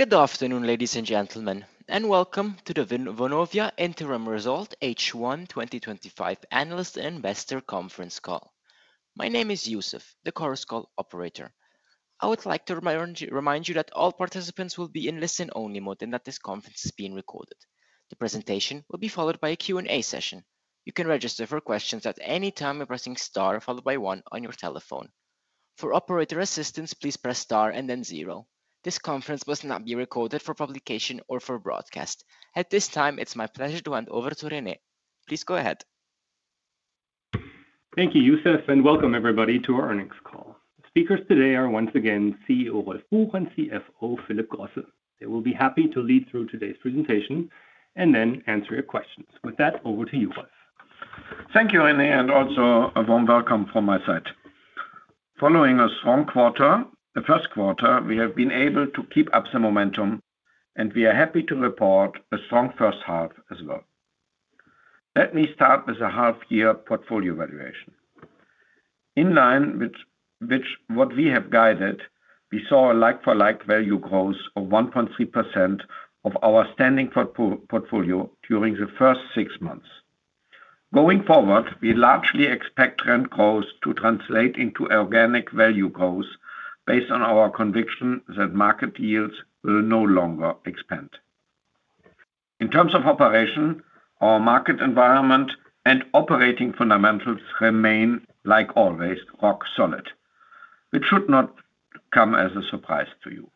Good afternoon, ladies and gentlemen, and welcome to the Vonovia Interim Result H1 2025 Analyst and Investor Conference Call. My name is Yusuf, the Chorus Call operator. I would like to remind you that all participants will be in listen-only mode and that this conference is being recorded. The presentation will be followed by a Q&A session. You can register for questions at any time by pressing star followed by one on your telephone. For operator assistance, please press star and then zero. This conference must not be recorded for publication or for broadcast. At this time, it's my pleasure to hand over to Rene. Please go ahead. Thank you, Yusuf, and welcome everybody to our earnings call. Speakers today are once again CEO Vonovia Rolf Buch and CFO Philip Grosse. They will be happy to lead through today's presentation and then answer your questions. With that, over to you. Thank you, Rene, and also a warm welcome from my side. Following a strong quarter, the first quarter, we have been able to keep up some momentum, and we are happy to report a strong first half as well. Let me start with the half-year portfolio evaluation. In line with what we have guided, we saw a like-for-like value growth of 1.3% of our standing portfolio during the first six months. Going forward, we largely expect trend growth to translate into organic value growth based on our conviction that market yields will no longer expand. In terms of operation, our market environment and operating fundamentals remain, like always, rock solid, which should not come as a surprise to you.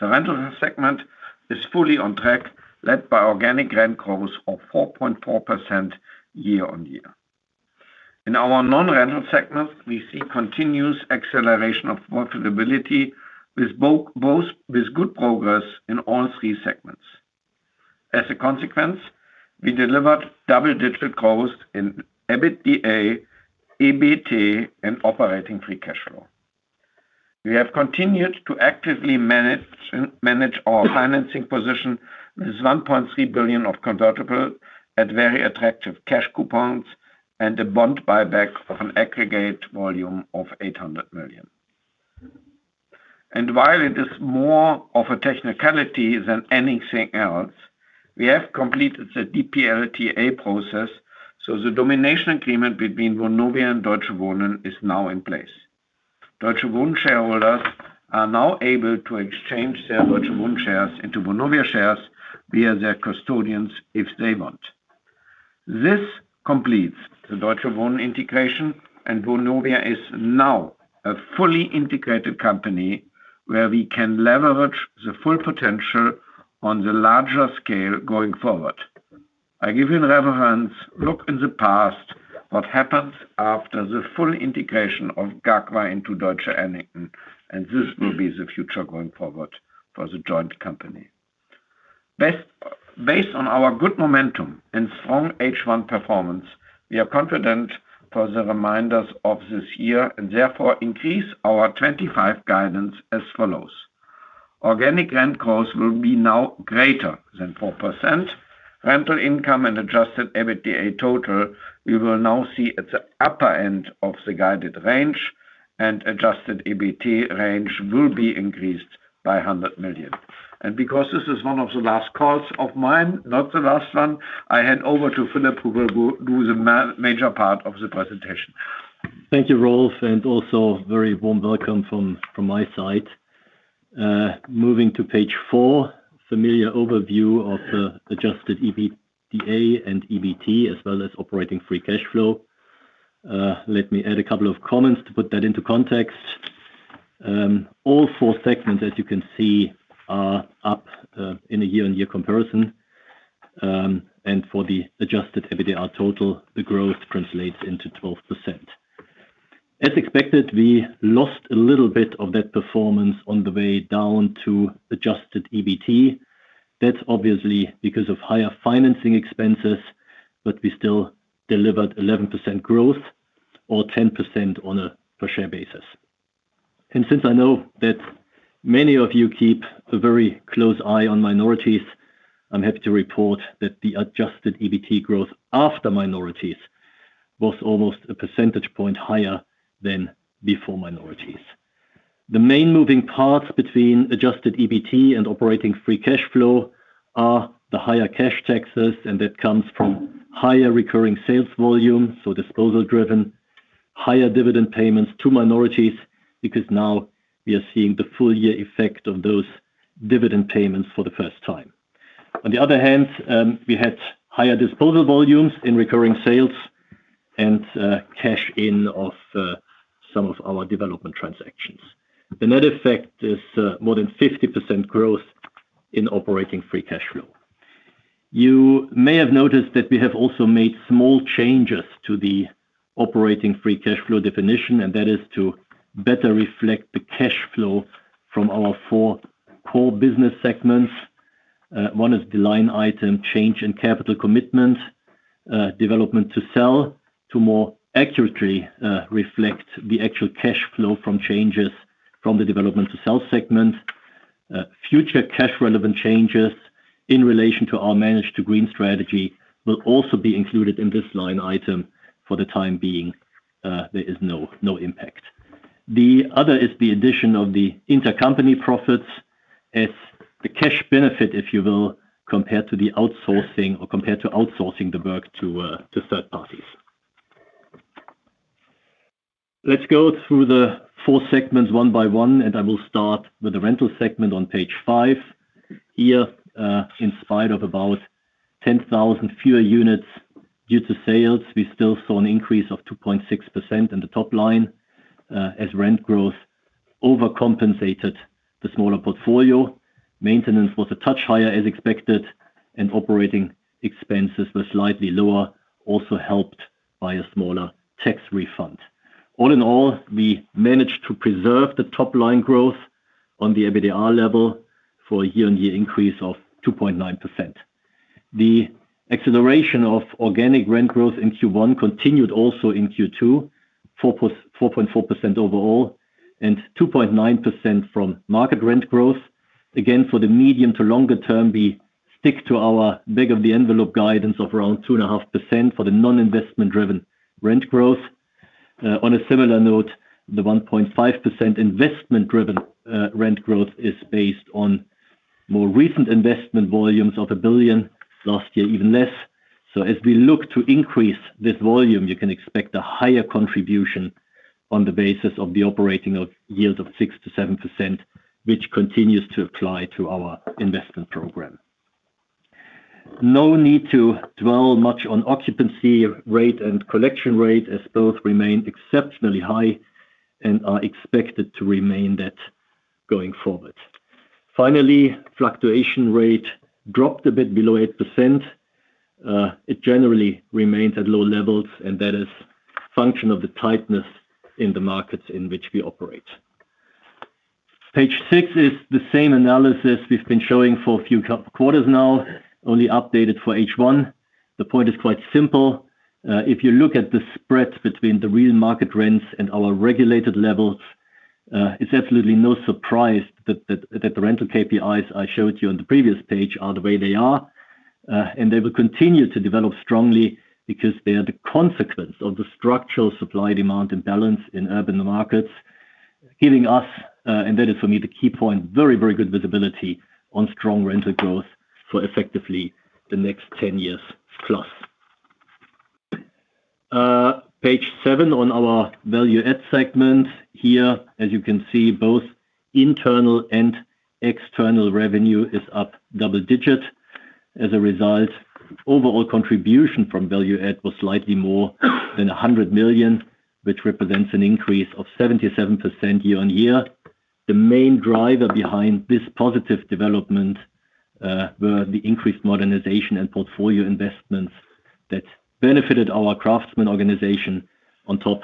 The rental segment is fully on track, led by organic rent growth of 4.4% year on year. In our non-rental segments, we see continuous acceleration of profitability with good progress in all three segments. As a consequence, we delivered double-digit growth in EBITDA and operating free cash flow. We have continued to actively manage our financing position with 1.3 billion of convertible at very attractive cash coupons and a bond buyback of an aggregate volume of 800 million. While it is more of a technicality than anything else, we have completed the DPLTA process, so the domination and profit and loss transfer agreement between Vonovia and Deutsche Wohnen is now in place. Deutsche Wohnen shareholders are now able to exchange their Deutsche Wohnen shares into Vonovia shares via their custodians if they want. This completes the Deutsche Wohnen integration, and Vonovia is now a fully integrated company where we can leverage the full potential on the larger scale going forward. I give you another hint: look in the past, what happens after the full integration of Gagfa into Deutsche Annington, and this will be the future going forward for the joint company. Based on our good momentum and strong H1 performance, we are confident for the remainder of this year and therefore increase our 2025 guidance as follows: organic rent growth will be now greater than 4%, rental income and adjusted EBITDA total we will now see at the upper end of the guided range, and adjusted EBIT range will be increased by 100 million. Because this is one of the last calls of mine, not the last one, I hand over to Philip, who will do the major part of the presentation. Thank you, Rolf, and also a very warm welcome from my side. Moving to page four, familiar overview of the adjusted EBITDA and EBIT, as well as operating free cash flow. Let me add a couple of comments to put that into context. All four segments, as you can see, are up in a year-on-year comparison. For the adjusted EBITDA total, the growth translates into 12%. As expected, we lost a little bit of that performance on the way down to adjusted EBIT. That is obviously because of higher financing expenses, but we still delivered 11% growth or 10% on a per-share basis. Since I know that many of you keep a very close eye on minorities, I'm happy to report that the adjusted EBITDA growth after minorities was almost a percentage point higher than before minorities. The main moving parts between adjusted EBITDA and operating free cash flow are the higher cash taxes, and that comes from higher recurring sales volume, so disposal-driven, higher dividend payments to minorities because now we are seeing the full-year effect of those dividend payments for the first time. On the other hand, we had higher disposal volumes in recurring sales and cash in of some of our development transactions. The net effect is more than 50% growth in operating free cash flow. You may have noticed that we have also made small changes to the operating free cash flow definition, and that is to better reflect the cash flow from our four core business segments. One is the line item change in capital commitment, development to sell to more accurately reflect the actual cash flow from changes from the development to sell segment. Future cash-relevant changes in relation to our managed-to-green strategy will also be included in this line item for the time being. There is no impact. The other is the addition of the intercompany profits as the cash benefit, if you will, compared to outsourcing the work to third parties. Let's go through the four segments one by one, and I will start with the rental segment on page five. Here, in spite of about 10,000 fewer units due to sales, we still saw an increase of 2.6% in the top line as rent growth overcompensated the smaller portfolio. Maintenance was a touch higher as expected, and operating expenses were slightly lower, also helped by a smaller tax refund. All in all, we managed to preserve the top line growth on the EBITDA level for a year-on-year increase of 2.9%. The acceleration of organic rent growth in Q1 continued also in Q2, 4.4% overall, and 2.9% from market rent growth. Again, for the medium to longer term, we stick to our back of the envelope guidance of around 2.5% for the non-investment-driven rent growth. On a similar note, the 1.5% investment-driven rent growth is based on more recent investment volumes of 1 billion, last year even less. As we look to increase this volume, you can expect a higher contribution on the basis of the operating yield of 6% to 7%, which continues to apply to our investment program. No need to dwell much on occupancy rate and collection rate as both remain exceptionally high and are expected to remain that going forward. Finally, fluctuation rate dropped a bit below 8%. It generally remains at low levels, and that is a function of the tightness in the markets in which we operate. Page six is the same analysis we've been showing for a few quarters now, only updated for H1. The point is quite simple. If you look at the spreads between the real market rents and our regulated levels, it's absolutely no surprise that the rental KPIs I showed you on the previous page are the way they are. They will continue to develop strongly because they are the consequence of the structural supply-demand imbalance in urban markets, giving us, and that is for me the key point, very, very good visibility on strong rental growth for effectively the next 10 years plus. Page seven on our value-add segment. Here, as you can see, both internal and external revenue is up double digit. As a result, overall contribution from value-add was slightly more than 100 million, which represents an increase of 77% year on year. The main driver behind this positive development were the increased modernization and portfolio investments that benefited our craftsman organization. On top,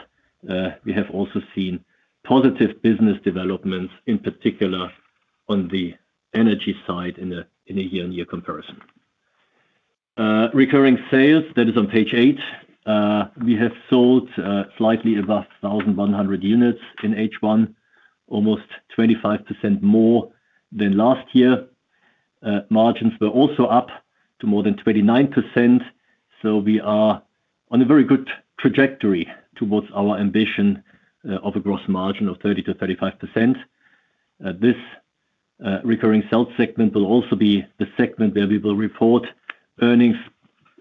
we have also seen positive business developments, in particular on the energy side in a year-on-year comparison. Recurring sales, that is on page eight. We have sold slightly above 1,100 units in H1, almost 25% more than last year. Margins were also up to more than 29%. We are on a very good trajectory towards our ambition of a gross margin of 30% to 35%. This recurring sales segment will also be the segment where we will report earnings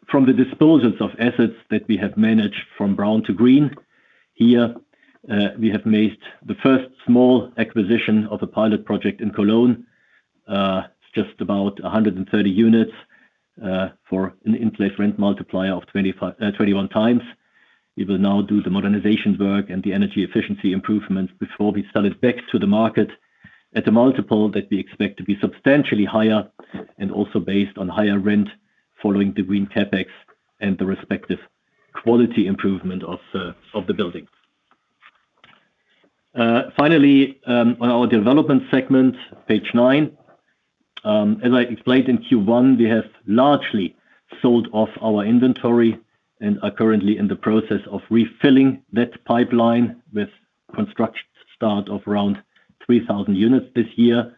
from the disposals of assets that we have managed from brown to green. Here, we have made the first small acquisition of a pilot project in Cologne. It's just about 130 units for an in-flat rent multiplier of 21 times. We will now do the modernization work and the energy efficiency improvements before we sell it back to the market at a multiple that we expect to be substantially higher and also based on higher rent following the green CapEx and the respective quality improvement of the building. Finally, on our development segment, page nine. As I explained in Q1, we have largely sold off our inventory and are currently in the process of refilling that pipeline with construction start of around 3,000 units this year.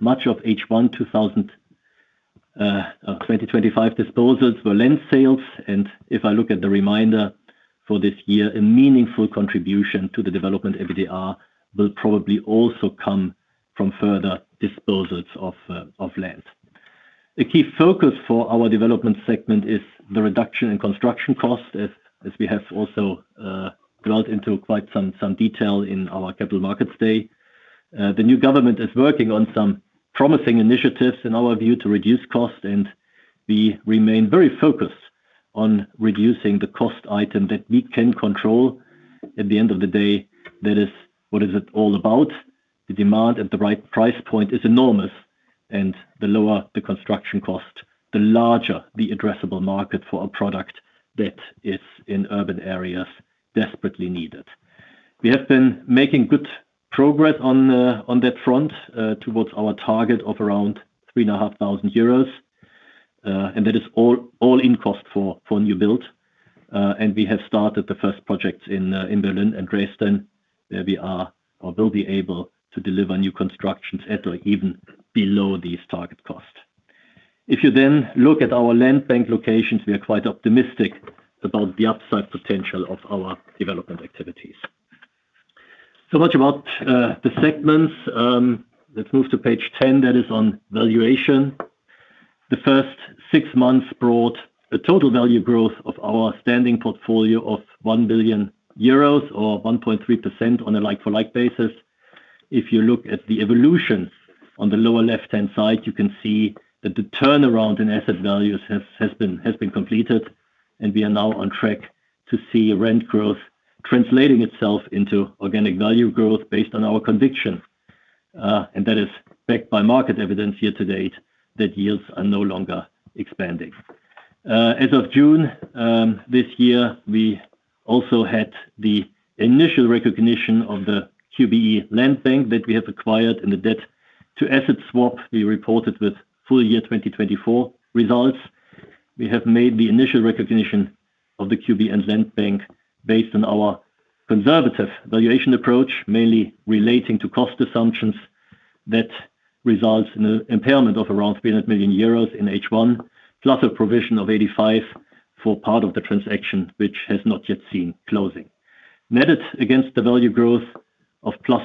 Much of H1 2025 disposals were land sales, and if I look at the reminder for this year, a meaningful contribution to the development EBITDA will probably also come from further disposals of land. The key focus for our development segment is the reduction in construction cost, as we have also dwelt into quite some detail in our capital markets day. The new government is working on some promising initiatives in our view to reduce cost, and we remain very focused on reducing the cost item that we can control. At the end of the day, that is what it's all about. The demand at the right price point is enormous, and the lower the construction cost, the larger the addressable market for a product that is in urban areas desperately needed. We have been making good progress on that front towards our target of around 3,500 euros, and that is all-in cost for new build. We have started the first projects in Berlin and Dresden, where we are or will be able to deliver new constructions at or even below these target costs. If you then look at our land bank locations, we are quite optimistic about the upside potential of our development activities. Much about the segments. Let's move to page ten. That is on valuation. The first six months brought a total value growth of our standing portfolio of 1 billion euros or 1.3% on a like-for-like basis. If you look at the evolution on the lower left-hand side, you can see that the turnaround in asset values has been completed, and we are now on track to see rent growth translating itself into organic value growth based on our conviction. That is backed by market evidence year to date that yields are no longer expanding. As of June this year, we also had the initial recognition of the QBE Land Bank that we have acquired, and the debt-to-asset swap we reported with full-year 2024 results. We have made the initial recognition of the QB and Land Bank based on our conservative valuation approach, mainly relating to cost assumptions. That results in an impairment of around 300 million euros in H1, plus a provision of 85 million for part of the transaction, which has not yet seen closing. Netted against the value growth of plus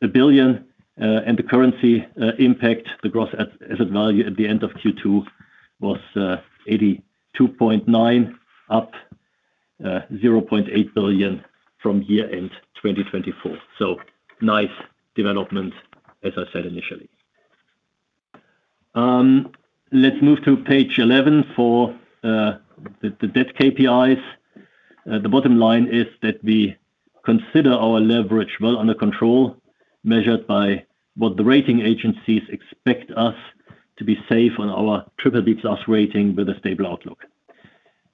1 billion, and the currency impact, the gross asset value at the end of Q2 was 82.9 billion, up 0.8 billion from year-end 2024. Nice development, as I said initially. Let's move to page 11 for the debt KPIs. The bottom line is that we consider our leverage well under control, measured by what the rating agencies expect us to be safe on our BBB+ rating with a stable outlook.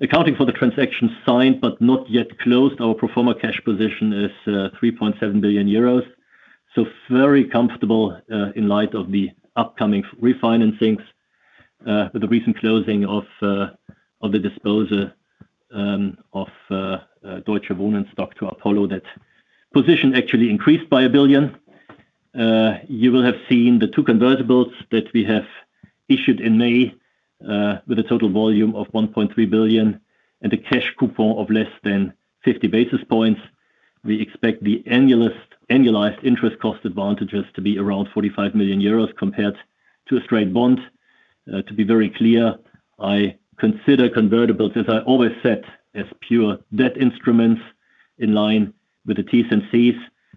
Accounting for the transactions signed but not yet closed, our pro forma cash position is 3.7 billion euros. Very comfortable in light of the upcoming refinancings. With the recent closing of the disposal of Deutsche Wohnen stock to Apollo, that position actually increased by 1 billion. You will have seen the two convertibles that we have issued in May with a total volume of 1.3 billion and a cash coupon of less than 50 basis points. We expect the annualized interest cost advantages to be around 45 million euros compared to a straight bond. To be very clear, I consider convertibles, as I always said, as pure debt instruments in line with the Ts and Cs,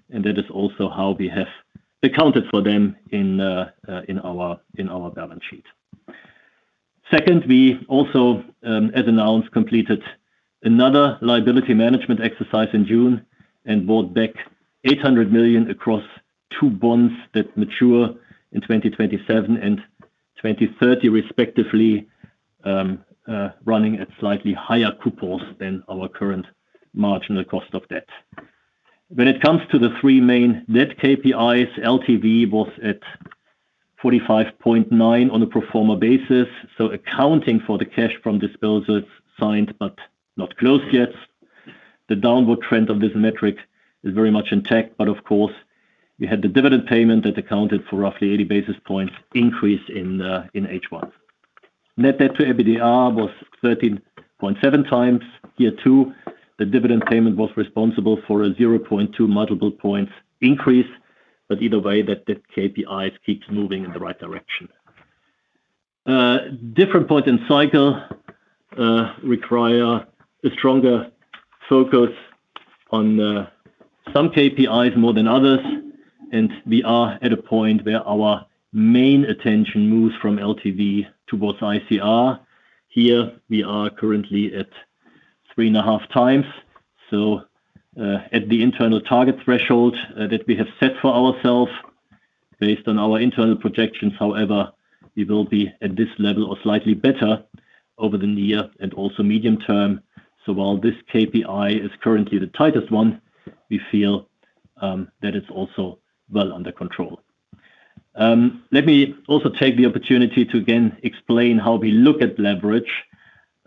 and that is also how we have accounted for them in our balance sheet. Second, we also, as announced, completed another liability management exercise in June and bought back 800 million across two bonds that mature in 2027 and 2030, respectively, running at slightly higher coupons than our current marginal cost of debt. When it comes to the three main debt KPIs, LTV was at 45.9% on a pro forma basis, accounting for the cash from disposals signed but not closed yet. The downward trend of this metric is very much intact, although we had the dividend payment that accounted for roughly 80 basis points increase in H1. Net debt to EBITDA was 13.7 times year two. The dividend payment was responsible for a 0.2 multiple points increase, but either way, that KPI keeps moving in the right direction. Different points in cycle require a stronger focus on some KPIs more than others, and we are at a point where our main attention moves from LTV to both ICR. Here, we are currently at 3.5 times, at the internal target threshold that we have set for ourselves. Based on our internal projections, however, we will be at this level or slightly better over the near and also medium term. While this KPI is currently the tightest one, we feel that it's also well under control. Let me also take the opportunity to again explain how we look at leverage.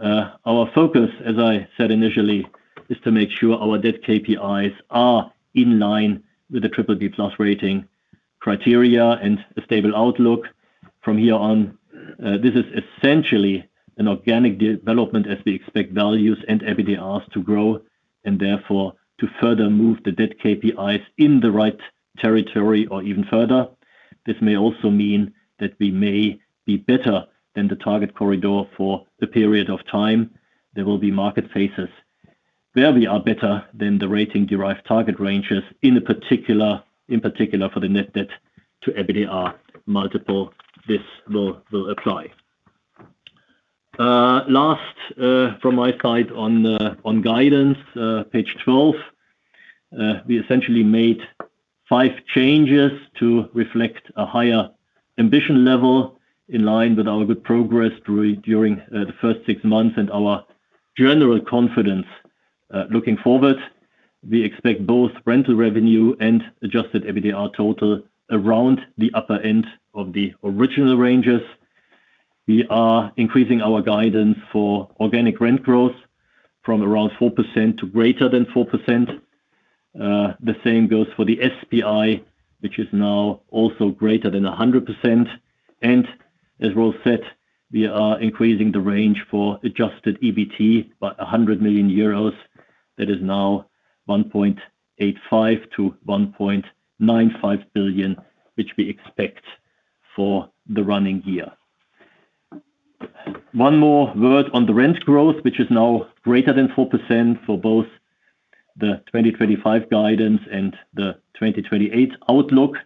Our focus, as I said initially, is to make sure our debt KPIs are in line with the BBB+ rating criteria and a stable outlook. From here on, this is essentially an organic development as we expect values and EBITDA to grow and therefore to further move the debt KPIs in the right territory or even further. This may also mean that we may be better than the target corridor for a period of time. There will be market phases where we are better than the rating-derived target ranges, in particular for the net debt to EBITDA multiple this will apply. Last from my side on guidance, page 12. We essentially made five changes to reflect a higher ambition level in line with our good progress during the first six months and our general confidence looking forward. We expect both rental revenue and adjusted EBITDA total around the upper end of the original ranges. We are increasing our guidance for organic rent growth from around 4% to greater than 4%. The same goes for the SPI, which is now also greater than 100%. As Rolf said, we are increasing the range for adjusted EBIT by 100 million euros. That is now 1.85 to 1.95 billion, which we expect for the running year. One more word on the rent growth, which is now greater than 4% for both the 2025 guidance and the 2028 outlook.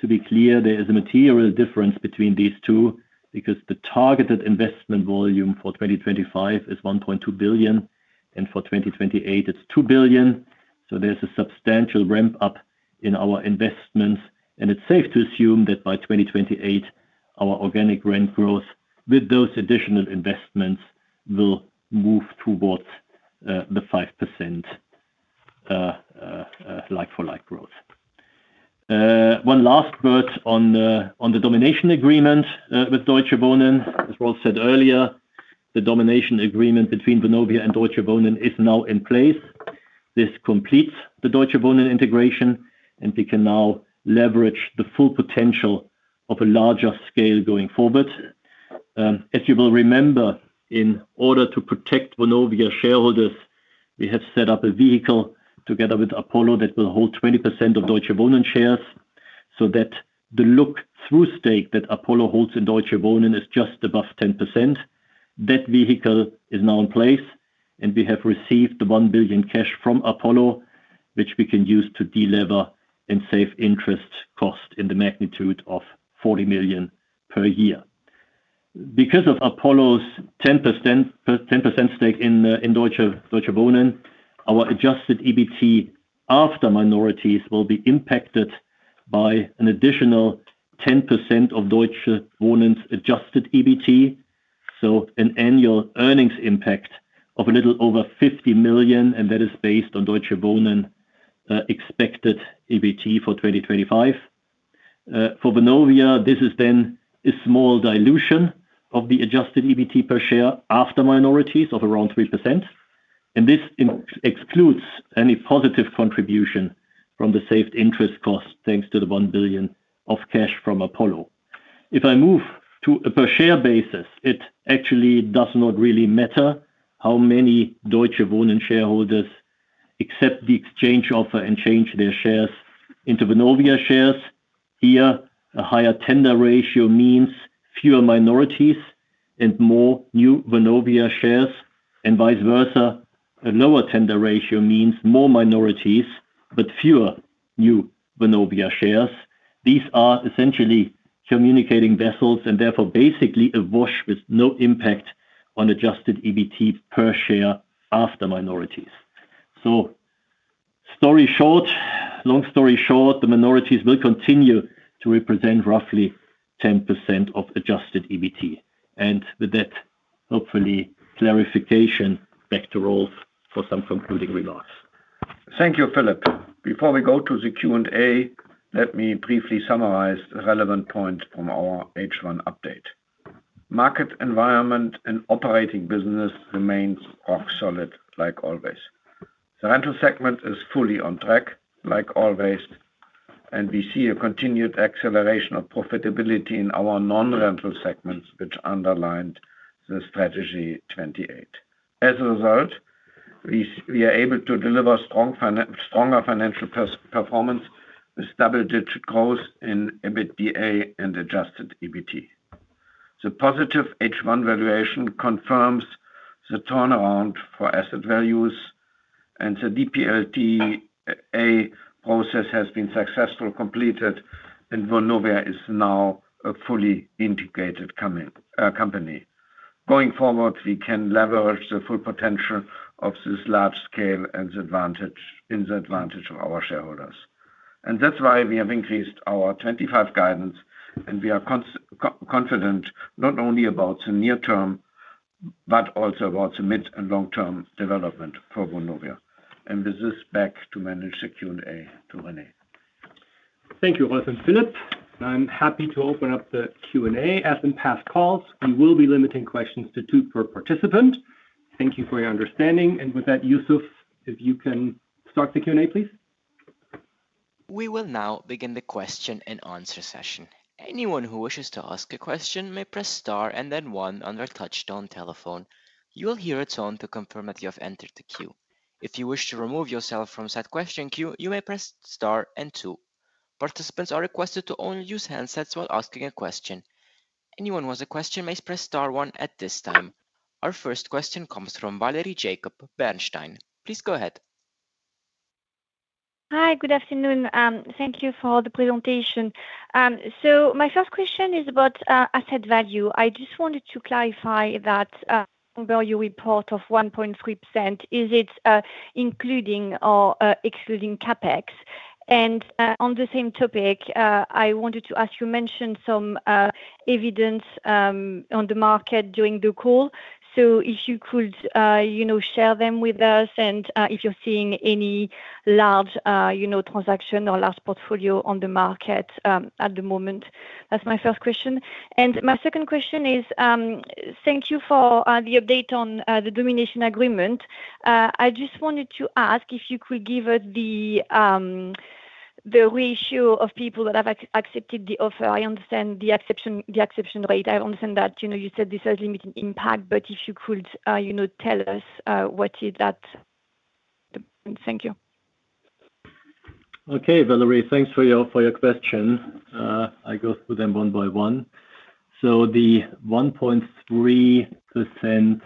To be clear, there is a material difference between these two because the targeted investment volume for 2025 is 1.2 billion, and for 2028, it's 2 billion. There is a substantial ramp-up in our investments, and it's safe to assume that by 2028, our organic rent growth with those additional investments will move towards the 5% like-for-like growth. One last word on the domination agreement with Deutsche Wohnen. As Rolf said earlier, the domination agreement between Vonovia and Deutsche Wohnen is now in place. This completes the Deutsche Wohnen integration, and we can now leverage the full potential of a larger scale going forward. As you will remember, in order to protect Vonovia shareholders, we have set up a vehicle together with Apollo that will hold 20% of Deutsche Wohnen shares so that the look-through stake that Apollo holds in Deutsche Wohnen is just above 10%. That vehicle is now in place, and we have received the 1 billion cash from Apollo, which we can use to deliver and save interest cost in the magnitude of 40 million per year. Because of Apollo's 10% stake in Deutsche Wohnen, our adjusted EBIT after minorities will be impacted by an additional 10% of Deutsche Wohnen's adjusted EBIT. An annual earnings impact of a little over 50 million, and that is based on Deutsche Wohnen's expected EBIT for 2025. For Vonovia, this is then a small dilution of the adjusted EBIT per share after minorities of around 3%. This excludes any positive contribution from the saved interest cost thanks to the 1 billion of cash from Apollo. If I move to a per-share basis, it actually does not really matter how many Deutsche Wohnen shareholders accept the exchange offer and change their shares into Vonovia shares. Here, a higher tender ratio means fewer minorities and more new Vonovia shares, and vice versa. A lower tender ratio means more minorities but fewer new Vonovia shares. These are essentially communicating vessels and therefore basically a wash with no impact on adjusted EBIT per share after minorities. Long story short, the minorities will continue to represent roughly 10% of adjusted EBIT. With that, hopefully, clarification back to Rolf for some concluding remarks. Thank you, Philip. Before we go to the Q&A, let me briefly summarize the relevant points from our H1 update. Market environment and operating business remain rock solid, like always. The rental segment is fully on track, like always, and we see a continued acceleration of profitability in our non-rental segments, which underlined the strategy 28. As a result, we are able to deliver stronger financial performance with double-digit growth in EBITDA and adjusted EBITDA. The positive H1 valuation confirms the turnaround for asset values, and the DPLTA process has been successfully completed, and Vonovia is now a fully integrated company. Going forward, we can leverage the full potential of this large scale and the advantage of our shareholders. That is why we have increased our 2025 guidance, and we are confident not only about the near term but also about the mid and long-term development for Vonovia. This is back to manage the Q&A to Rene. Thank you, Rolf and Philip. I'm happy to open up the Q&A. As in past calls, we will be limiting questions to two per participant. Thank you for your understanding. With that, Yusuf, if you can start the Q&A, please. We will now begin the question and answer session. Anyone who wishes to ask a question may press star and then one on their touchtone telephone. You will hear a tone to confirm that you have entered the queue. If you wish to remove yourself from said question queue, you may press star and two. Participants are requested to only use handsets while asking a question. Anyone who has a question may press star one at this time. Our first question comes from Valerie Jacob Bernstein. Please go ahead. Hi, good afternoon. Thank you for the presentation. My first question is about asset value. I just wanted to clarify that the annual value report of 1.3%—is it including or excluding CapEx? On the same topic, I wanted to ask, you mentioned some evidence on the market during the call. If you could share them with us, and if you're seeing any large transaction or large portfolio on the market at the moment, that's my first question. My second question is, thank you for the update on the domination agreement. I just wanted to ask if you could give us the ratio of people that have accepted the offer. I understand the acceptance rate. I understand that you said this has limited impact, but if you could tell us what that is. Thank you. Okay, Valerie, thanks for your question. I go through them one by one. The 1.3%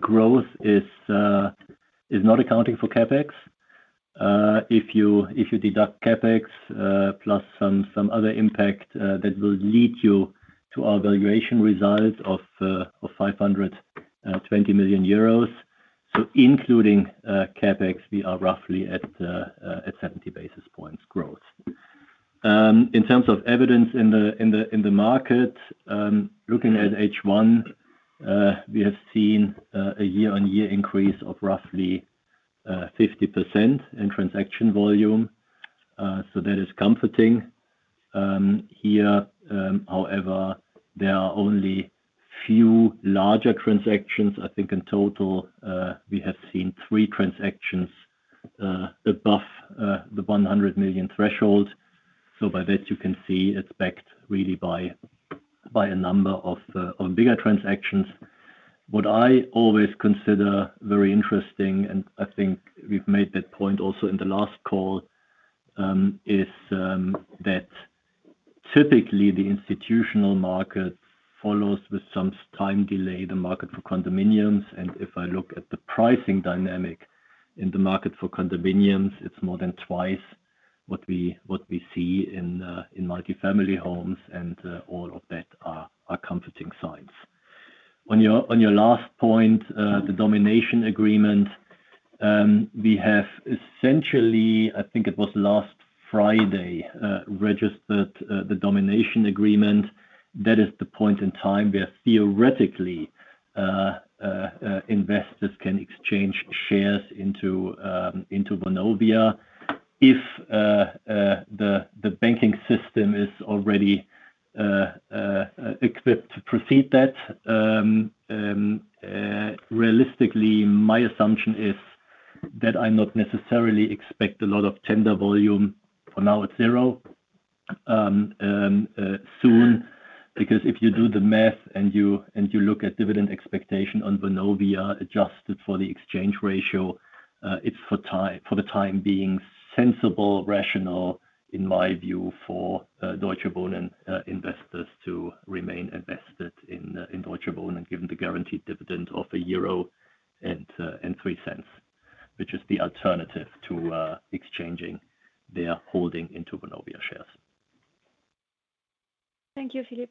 growth is not accounting for CapEx. If you deduct CapEx plus some other impact, that will lead you to our valuation result of 520 million euros. Including CapEx, we are roughly at 70 basis points growth. In terms of evidence in the market, looking at H1, we have seen a year-on-year increase of roughly 50% in transaction volume. That is comforting. Here, however, there are only a few larger transactions. I think in total, we have seen three transactions above the 100 million threshold. By that, you can see it's backed really by a number of bigger transactions. What I always consider very interesting, and I think we've made that point also in the last call, is that typically the institutional market follows with some time delay the market for condominiums. If I look at the pricing dynamic in the market for condominiums, it's more than twice what we see in multifamily homes, and all of that are comforting signs. On your last point, the domination and profit and loss transfer agreement, we have essentially, I think it was last Friday, registered the domination and profit and loss transfer agreement. That is the point in time where theoretically investors can exchange shares into Vonovia if the banking system is already equipped to proceed that. Realistically, my assumption is that I not necessarily expect a lot of tender volume for now at zero soon because if you do the math and you look at dividend expectation on Vonovia adjusted for the exchange ratio, it's for the time being sensible, rational, in my view, for Deutsche Wohnen investors to remain invested in Deutsche Wohnen, given the guaranteed dividend of 1.03 euro, which is the alternative to exchanging their holding into Vonovia shares. Thank you, Philip.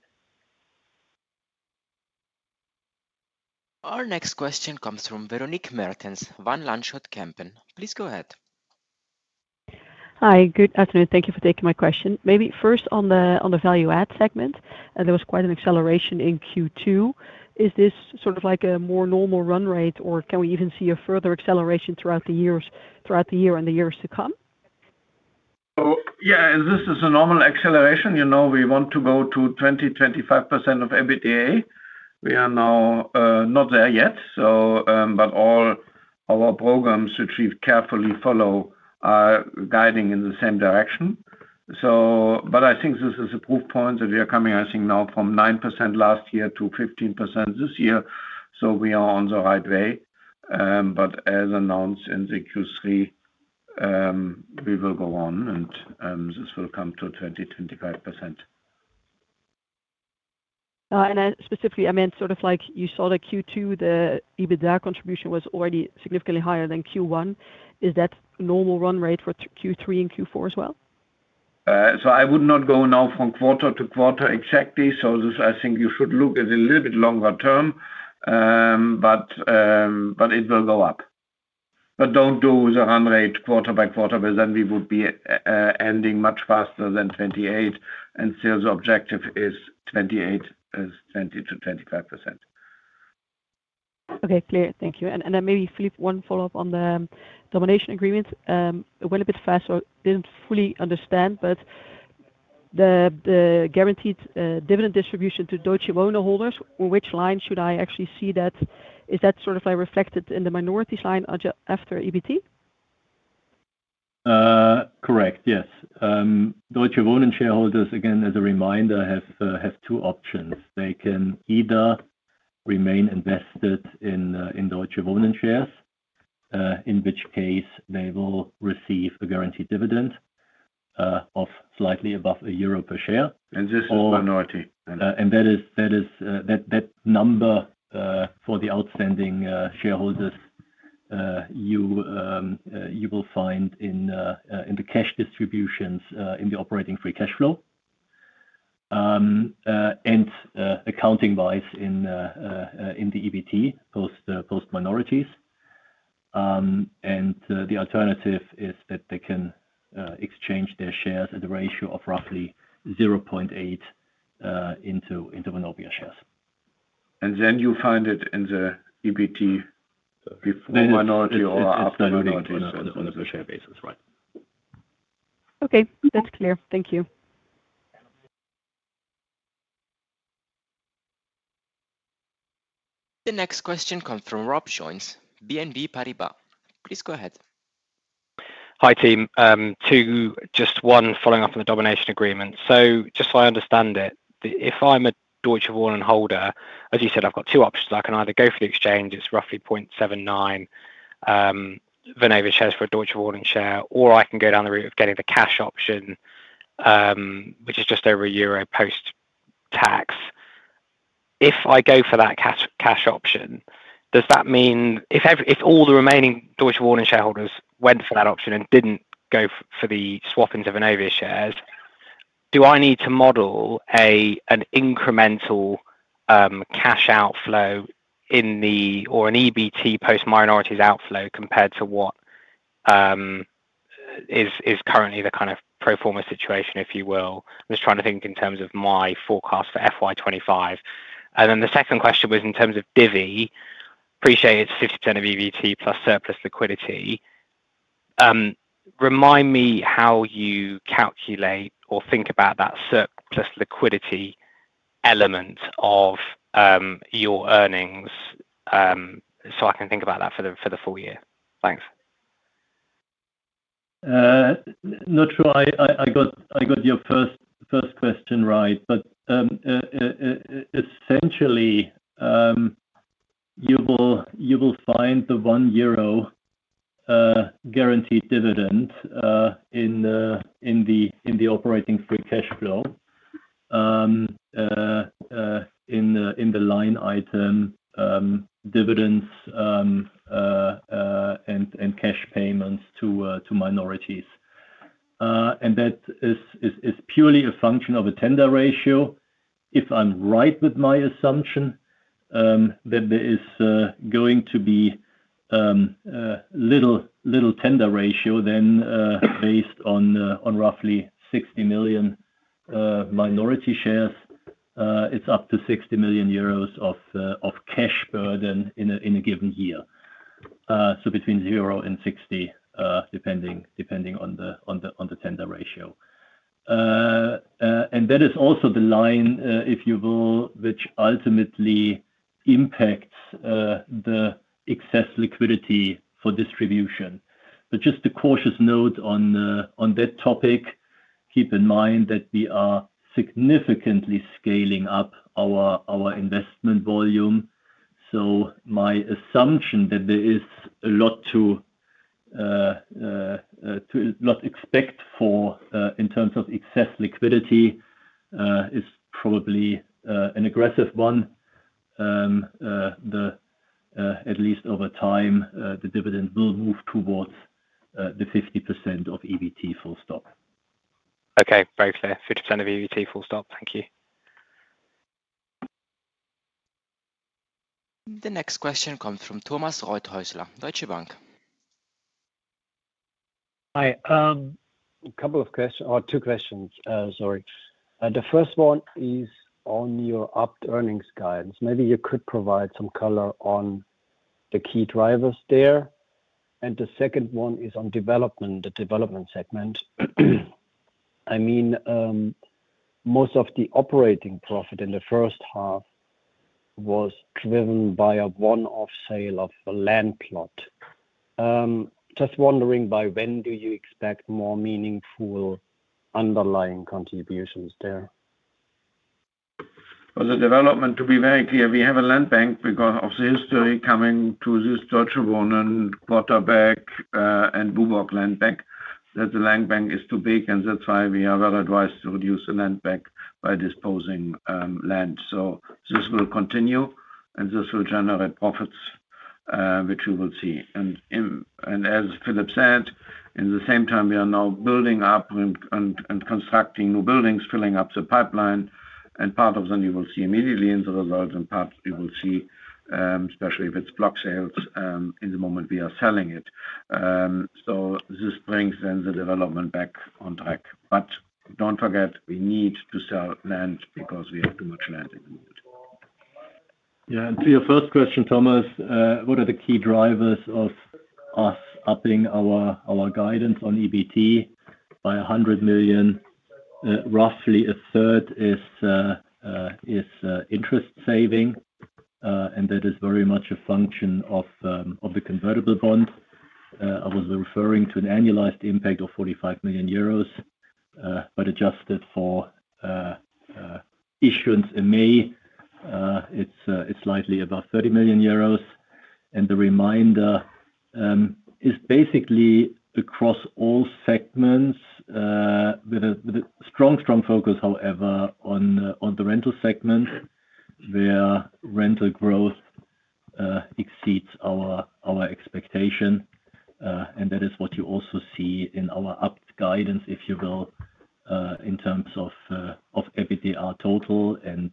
Our next question comes from Veronique Meertens, Van Lanschot Kempen. Please go ahead. Hi, good afternoon. Thank you for taking my question. Maybe first on the value-add segment, there was quite an acceleration in Q2. Is this sort of like a more normal run rate, or can we even see a further acceleration throughout the year and the years to come? Yeah, this is a normal acceleration. You know we want to go to 20% to 25% of EBITDA. We are now not there yet, but all our programs, which we carefully follow, are guiding in the same direction. I think this is a proof point that we are coming, I think, now from 9% last year to 15% this year. We are on the right way. As announced in the Q3, we will go on and this will come to 20% to 25%. Specifically, I meant sort of like you saw the Q2, the EBITDA contribution was already significantly higher than Q1. Is that normal run rate for Q3 and Q4 as well? I would not go now from quarter to quarter exactly. I think you should look at a little bit longer term, but it will go up. Do not do the run rate quarter by quarter, because then we would be ending much faster than 2028. The objective is 2028 is 20 to 25%. Okay, clear. Thank you. Maybe, Philip, one follow-up on the domination agreement. It went a bit fast, so I didn't fully understand, but the guaranteed dividend distribution to Deutsche Wohnen holders, which line should I actually see that? Is that sort of like reflected in the minorities line after EBIT? Correct, yes. Deutsche Wohnen shareholders, again, as a reminder, have two options. They can either remain invested in Deutsche Wohnen shares, in which case they will receive a guaranteed dividend of slightly above EUR 1 per share. That number for the outstanding shareholders you will find in the cash distributions in the operating free cash flow and accounting-wise in the EBITDA post minorities. The alternative is that they can exchange their shares at a ratio of roughly 0.8 into Vonovia shares. You find it in the EBIT before minority or after minority on the per-share basis, right? Okay, that's clear. Thank you. The next question comes from Robert Jones, BNP Paribas. Please go ahead. Hi, team. Just one following up on the domination agreement. Just so I understand it, if I'm a Deutsche Wohnen holder, as you said, I've got two options. I can either go for the exchange, it's roughly 0.79 Vonovia shares for a Deutsche Wohnen share, or I can go down the route of getting the cash option, which is just over EUR1 post-tax. If I go for that cash option, does that mean if all the remaining Deutsche Wohnen shareholders went for that option and didn't go for the swap into Vonovia shares, do I need to model an incremental cash outflow or an EBIT post minorities outflow compared to what is currently the kind of pro forma situation, if you will? I'm just trying to think in terms of my forecast for FY2025. The second question was in terms of Divvy, appreciating it's 50% of EBIT plus surplus liquidity. Remind me how you calculate or think about that surplus liquidity element of your earnings so I can think about that for the full year. Thanks. Not sure I got your first question right, but essentially, you will find the 1 euro guaranteed dividend in the operating free cash flow in the line item dividends and cash payments to minorities. That is purely a function of a tender ratio. If I'm right with my assumption that there is going to be a little tender ratio, then based on roughly 60 million minority shares, it's up to 60 million euros of cash burden in a given year. Between zero and 60 million, depending on the tender ratio. That is also the line, if you will, which ultimately impacts the excess liquidity for distribution. Just a cautious note on that topic, keep in mind that we are significantly scaling up our investment volume. My assumption that there is a lot to expect for in terms of excess liquidity is probably an aggressive one. At least over time, the dividend will move towards the 50% of EBITDA. Okay, very clear. 50% of EBITDA. Thank you. The next question comes from Thomas Rothaeusler, Deutsche Bank. Hi. A couple of questions, or two questions, sorry. The first one is on your opt earnings guidance. Maybe you could provide some color on the key drivers there. The second one is on development, the development segment. I mean, most of the operating profit in the first half was driven by a one-off sale of a land plot. Just wondering, by when do you expect more meaningful underlying contributions there? The development, to be very clear, we have a land bank because of the history coming to use Deutsche Wohnen, Waterbank, and Bubok Land Bank. The land bank is too big, and that's why we are well advised to reduce the land bank by disposing land. This will continue, and this will generate profits, which you will see. As Philip said, at the same time, we are now building up and constructing new buildings, filling up the pipeline. Part of them you will see immediately in the result, and part you will see, especially if it's block sales, in the moment we are selling it. This brings the development back on track. Don't forget, we need to sell land because we have too much land in the moment. Yeah, and to your first question, Thomas, what are the key drivers of us upping our guidance on EBIT By 100 million, roughly a third is interest saving, and that is very much a function of the convertible bond. I was referring to an annualized impact of 45 million euros. Adjusted for issuance in May, it's slightly above 30 million euros. The remainder is basically across all segments with a strong, strong focus, however, on the rental segment where rental growth exceeds our expectation. That is what you also see in our opt guidance, if you will, in terms of EBITDA total and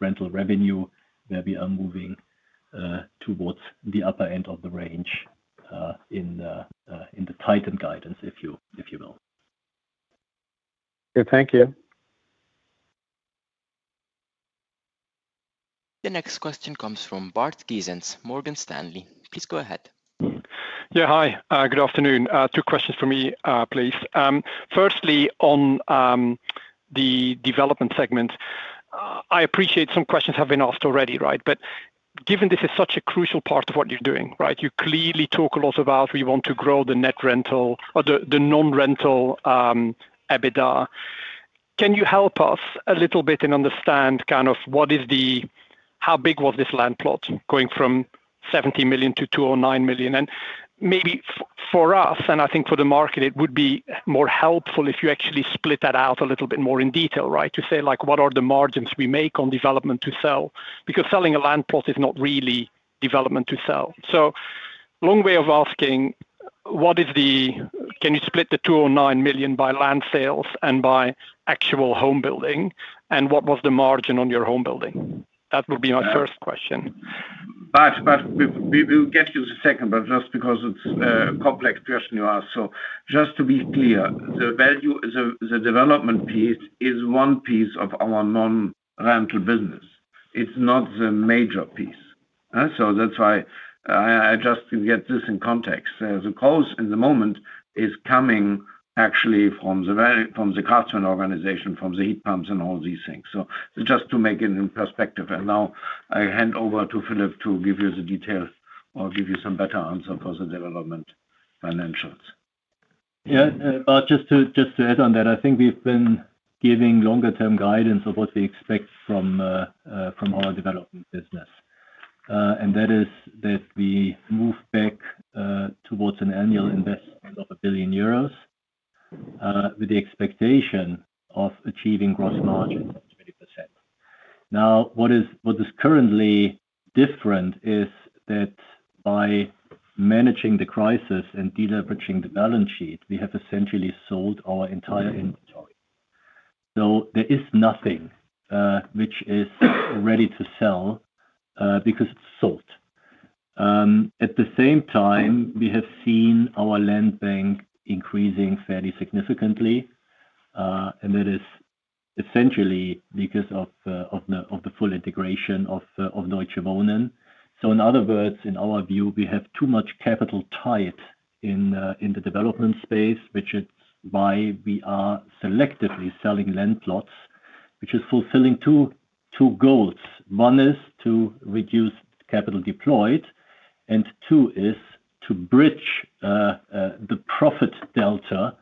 rental revenue, where we are moving towards the upper end of the range in the tightened guidance, if you will. Thank you. The next question comes from Bart Gysens, Morgan Stanley. Please go ahead. Yeah, hi. Good afternoon. Two questions for me, please. Firstly, on the development segment, I appreciate some questions have been asked already, right? Given this is such a crucial part of what you're doing, you clearly talk a lot about we want to grow the net rental or the non-rental EBITDA. Can you help us a little bit and understand kind of what is the how big was this land plot going from 70 million to 209 million? Maybe for us, and I think for the market, it would be more helpful if you actually split that out a little bit more in detail, to say like what are the margins we make on development to sell? Selling a land plot is not really development to sell. A long way of asking, can you split the 209 million by land sales and by actual home building? What was the margin on your home building? That would be my first question. We will get to you in a second, just because it's a complex question you ask. Just to be clear, the value, the development piece is one piece of our non-rental business. It's not the major piece. That's why I just get this in context. The cost in the moment is coming actually from the customer organization, from the heat pumps and all these things. Just to make it in perspective. Now I hand over to Philip to give you the detail or give you some better answer for the development financials. Yeah, just to add on that, I think we've been giving longer-term guidance of what we expect from our development business. That is that we move back towards an annual investment of 1 billion euros with the expectation of achieving gross margins of 20%. What is currently different is that by managing the crisis and deleveraging the balance sheet, we have essentially sold our entire inventory, so there is nothing which is ready to sell because it's sold. At the same time, we have seen our land bank increasing fairly significantly, and that is essentially because of the full integration of Deutsche Wohnen. In other words, in our view, we have too much capital tied in the development space, which is why we are selectively selling land plots, which is fulfilling two goals. One is to reduce capital deployed, and two is to bridge the profit delta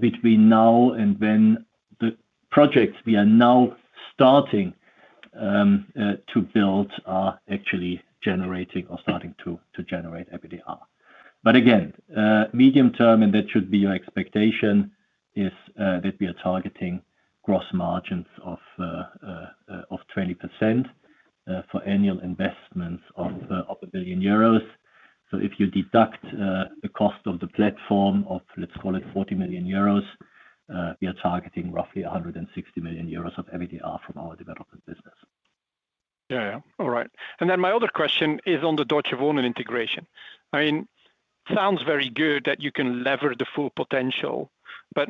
between now and when the projects we are now starting to build are actually generating or starting to generate EBITDA. Again, medium term, and that should be your expectation, is that we are targeting gross margins of 20% for annual investments of 1 billion euros. If you deduct the cost of the platform of, let's call it, 40 million euros, we are targeting roughly 160 million euros of EBITDA from our development business. All right. My other question is on the Deutsche Wohnen integration. It sounds very good that you can lever the full potential, but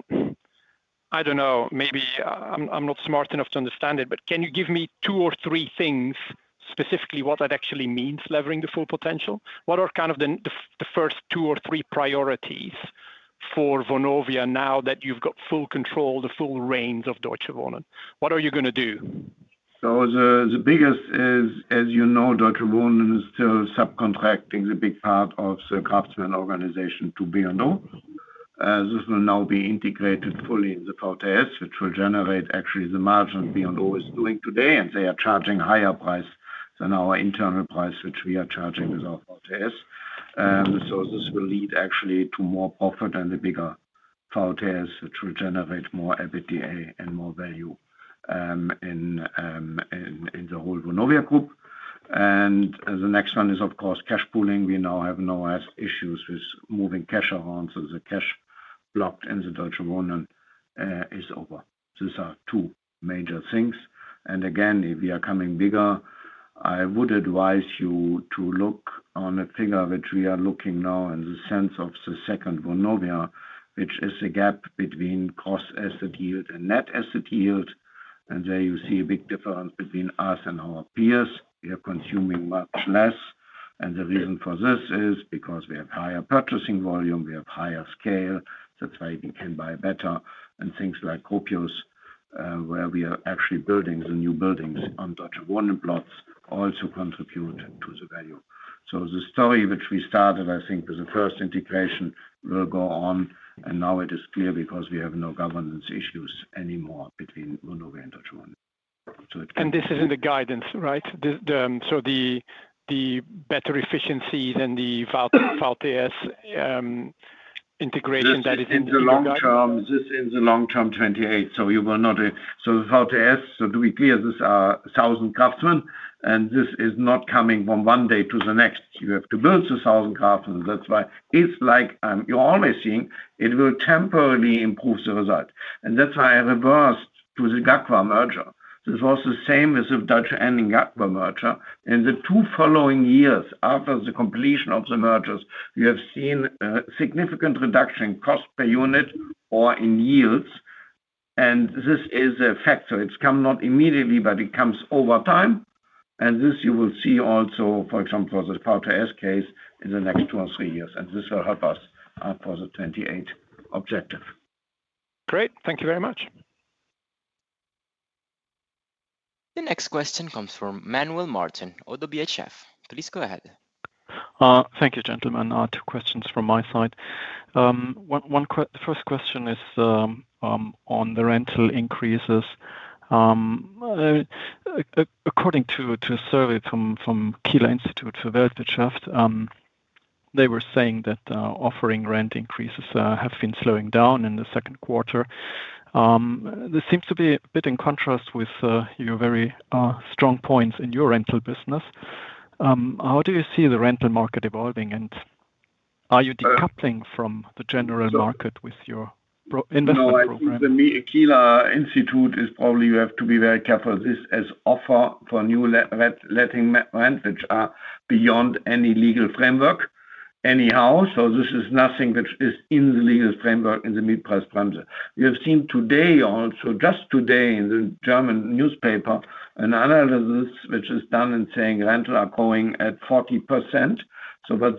I don't know, maybe I'm not smart enough to understand it. Can you give me two or three things specifically what that actually means, levering the full potential? What are the first two or three priorities for Vonovia now that you've got full control, the full range of Deutsche Wohnen? What are you going to do? The biggest is, as you know, Deutsche Wohnen is still subcontracting a big part of the craftsman organization to B&O. This will now be integrated fully in the VTS, which will generate actually the margin B&O is doing today, and they are charging a higher price than our internal price, which we are charging with our VTS. This will lead actually to more profit and a bigger VTS, which will generate more EBITDA and more value in the whole Vonovia group. The next one is, of course, cash pooling. We now have no issues with moving cash around, so the cash blocked in the Deutsche Wohnen is over. These are two major things. If we are coming bigger, I would advise you to look on a figure which we are looking now in the sense of the second Vonovia, which is the gap between cost-asset yield and net-asset yield. There you see a big difference between us and our peers. We are consuming much less. The reason for this is because we have higher purchasing volume, we have higher scale. That's why we can buy better. Things like Copios, where we are actually building the new buildings on Deutsche Wohnen plots, also contribute to the value. The story which we started, I think, with the first integration will go on. Now it is clear because we have no governance issues anymore between Vonovia and Deutsche Wohnen. This is in the guidance, right? The better efficiency than the VTS integration is in the long term. This is in the long term, 2028. You will not... VTS, to be clear, these are 1,000 craftsmen, and this is not coming from one day to the next. You have to build the 1,000 craftsmen. That's why it's like you're always seeing it will temporarily improve the result. I refer to the Deutsche Wohnen merger. This was the same as if Deutsche Wohnen and Gagfa merger. In the two following years after the completion of the mergers, you have seen a significant reduction in cost per unit or in yields. This is a factor. It does not come immediately, but it comes over time. You will see this also, for example, for the VTS case in the next two or three years. This will help us for the 2028 objective. Great, thank you very much. The next question comes from Manuel Martin, ODDO BHF. Please go ahead. Thank you, gentlemen. Two questions from my side. The first question is on the rental increases. According to a survey from Kieler Institute for Weltwirtschaft, they were saying that offering rent increases have been slowing down in the second quarter. This seems to be a bit in contrast with your very strong points in your rental business. How do you see the rental market evolving, and are you decoupling from the general market with your investment program? The Kieler Institute is probably... You have to be very careful. This is offer for new letting rent, which are beyond any legal framework anyhow. This is nothing which is in the legal framework in the mid-price branch. We have seen today also, just today in the German newspaper, an analysis which is done in saying rental are growing at 40%.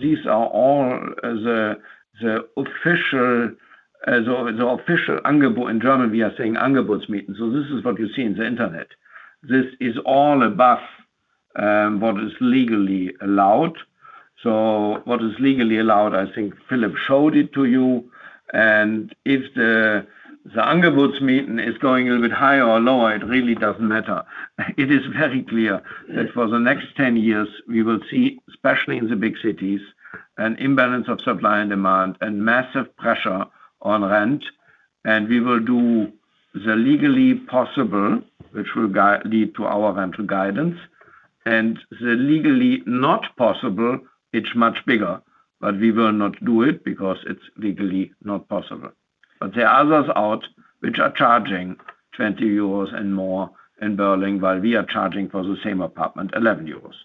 These are all the official Angebot in German. We are saying Angebotsmieten. This is what you see in the internet. This is all above what is legally allowed. What is legally allowed, I think Philip showed it to you. If the Angebotsmieten is going a little bit higher or lower, it really doesn't matter. It is very clear that for the next 10 years, we will see, especially in the big cities, an imbalance of supply and demand and massive pressure on rent. We will do the legally possible, which will lead to our rental guidance. The legally not possible, it's much bigger. We will not do it because it's legally not possible. There are others out which are charging 20 euros and more in Berlin, while we are charging for the same apartment 11 euros.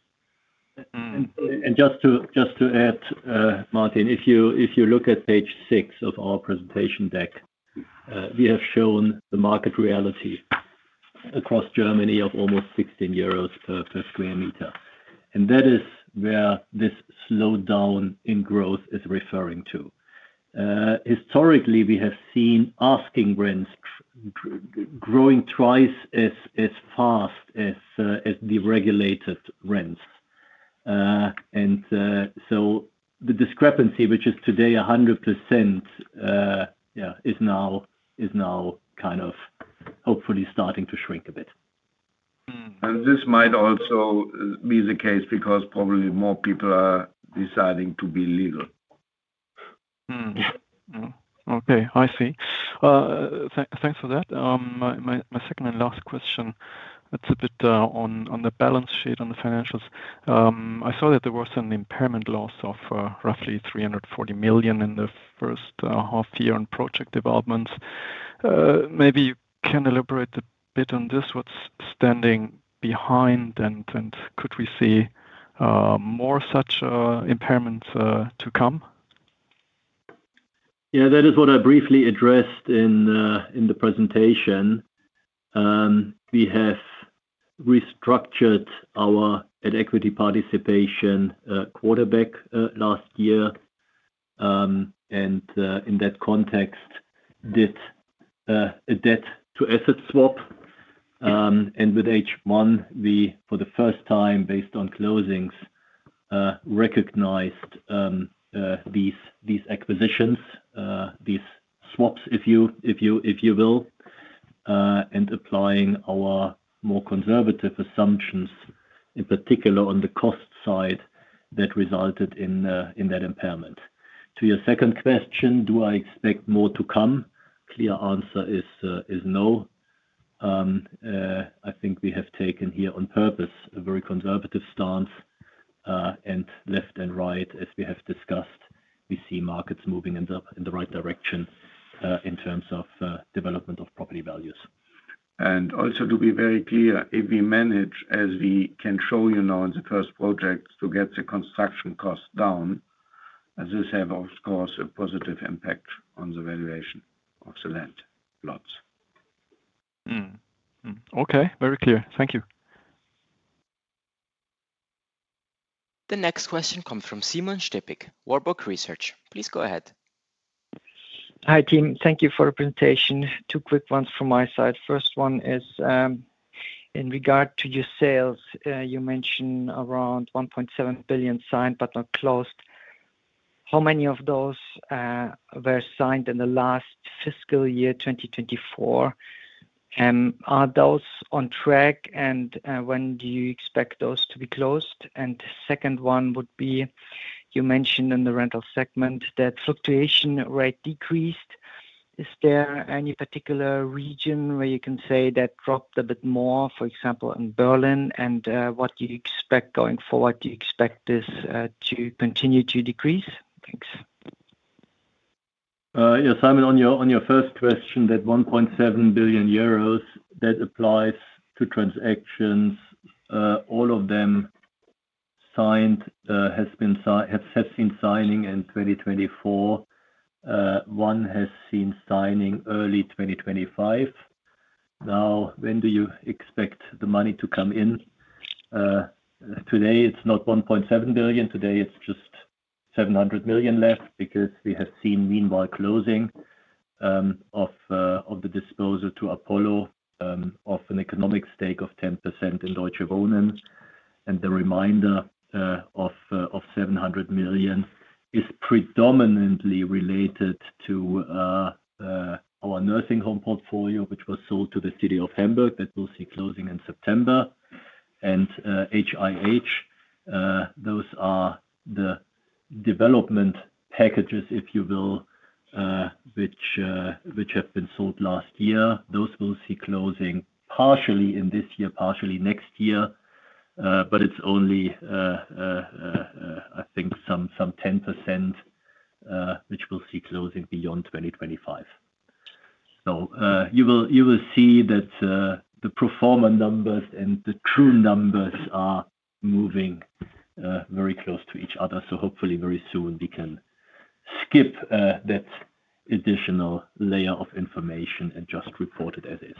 Just to add, Martin, if you look at page six of our presentation deck, we have shown the market reality across Germany of almost 16 euros per square meter. That is where this slowdown in growth is referring to. Historically, we have seen asking rents growing twice as fast as deregulated rents, and the discrepancy, which is today 100%, is now kind of hopefully starting to shrink a bit. This might also be the case because probably more people are deciding to be legal. Okay, I see. Thanks for that. My second and last question, it's a bit on the balance sheet, on the financials. I saw that there was an impairment loss of approximately 340 million in the first half year on project developments. Maybe you can elaborate a bit on this. What's standing behind, and could we see more such impairments to come? Yeah, that is what I briefly addressed in the presentation. We have restructured our equity participation quarterback last year. In that context, we did a debt-to-asset swap. With H1, we, for the first time, based on closings, recognized these acquisitions, these swaps, if you will, and applying our more conservative assumptions, in particular on the cost side, that resulted in that impairment. To your second question, do I expect more to come? Clear answer is no. I think we have taken here on purpose a very conservative stance. Left and right, as we have discussed, we see markets moving in the right direction in terms of development of property values. To be very clear, if we manage, as we can show you now in the first project, to get the construction cost down, this has, of course, a positive impact on the valuation of the land plots. Okay, very clear. Thank you. The next question comes from Simon Stippig, Warburg Research. Please go ahead. Hi, team. Thank you for the presentation. Two quick ones from my side. First one is in regard to your sales. You mentioned around 1.7 billion signed but not closed. How many of those were signed in the last fiscal year 2024? Are those on track, and when do you expect those to be closed? The second one would be, you mentioned in the rental segment that fluctuation rate decreased. Is there any particular region where you can say that dropped a bit more, for example, in Berlin? What do you expect going forward? Do you expect this to continue to decrease? Thanks. Yes, I mean, on your first question, that 1.7 billion euros, that applies to transactions. All of them signed have seen signing in 2024. One has seen signing early 2025. Now, when do you expect the money to come in? Today, it's not 1.7 billion. Today, it's just 700 million left because we have seen meanwhile closing of the disposal to Apollo of an economic stake of 10% in Deutsche Wohnen. The remainder of 700 million is predominantly related to our nursing home portfolio, which was sold to the city of Hamburg that will see closing in September. HIH, those are the development packages, if you will, which have been sold last year. Those will see closing partially in this year, partially next year. It's only, I think, some 10% which will see closing beyond 2025. You will see that the pro forma numbers and the true numbers are moving very close to each other. Hopefully, very soon, we can skip that additional layer of information and just report it as is.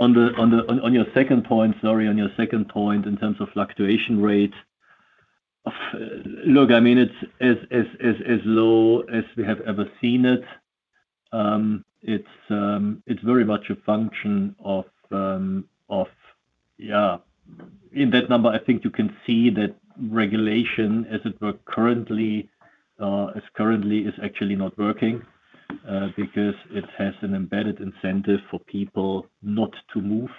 On your second point, in terms of fluctuation rate, look, I mean, it's as low as we have ever seen it. It's very much a function of, yeah, in that number, I think you can see that regulation, as it were currently, is actually not working because it has an embedded incentive for people not to move.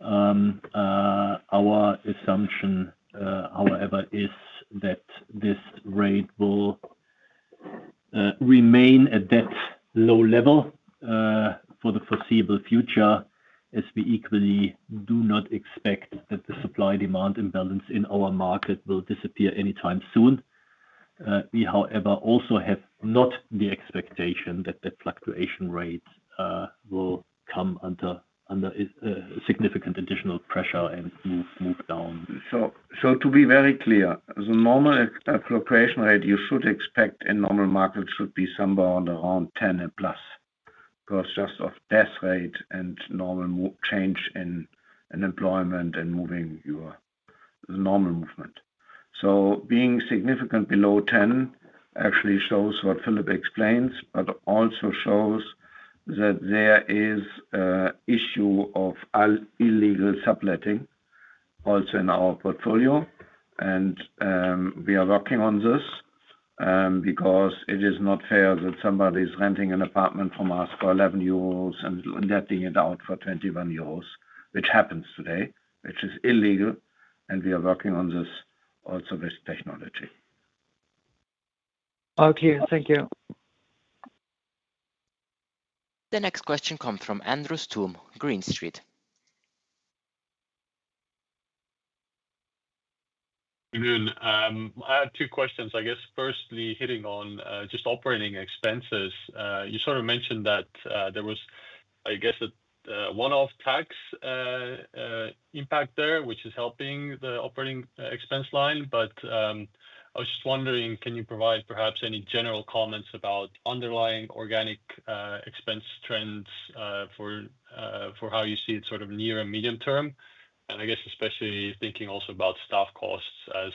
Our assumption, however, is that this rate will remain at that low level for the foreseeable future, as we equally do not expect that the supply-demand imbalance in our market will disappear anytime soon. We, however, also have not the expectation that that fluctuation rate will come under significant additional pressure and move down. To be very clear, the normal fluctuation rate you should expect in normal markets should be somewhere around 10% and plus, because just of death rate and normal change in employment and moving your normal movement. Being significant below 10% actually shows what Philip explains, but also shows that there is an issue of illegal subletting also in our portfolio. We are working on this because it is not fair that somebody is renting an apartment from us for 11 euros and netting it out for 21 euros, which happens today, which is illegal. We are working on this also with technology. Okay, thank you. The next question comes from Andres Toome, Green Street. I had two questions, I guess. Firstly, hitting on just operating expenses, you mentioned that there was, I guess, a one-off tax impact there, which is helping the operating expense line. I was just wondering, can you provide perhaps any general comments about underlying organic expense trends for how you see it near and medium term? I guess especially thinking also about staff costs as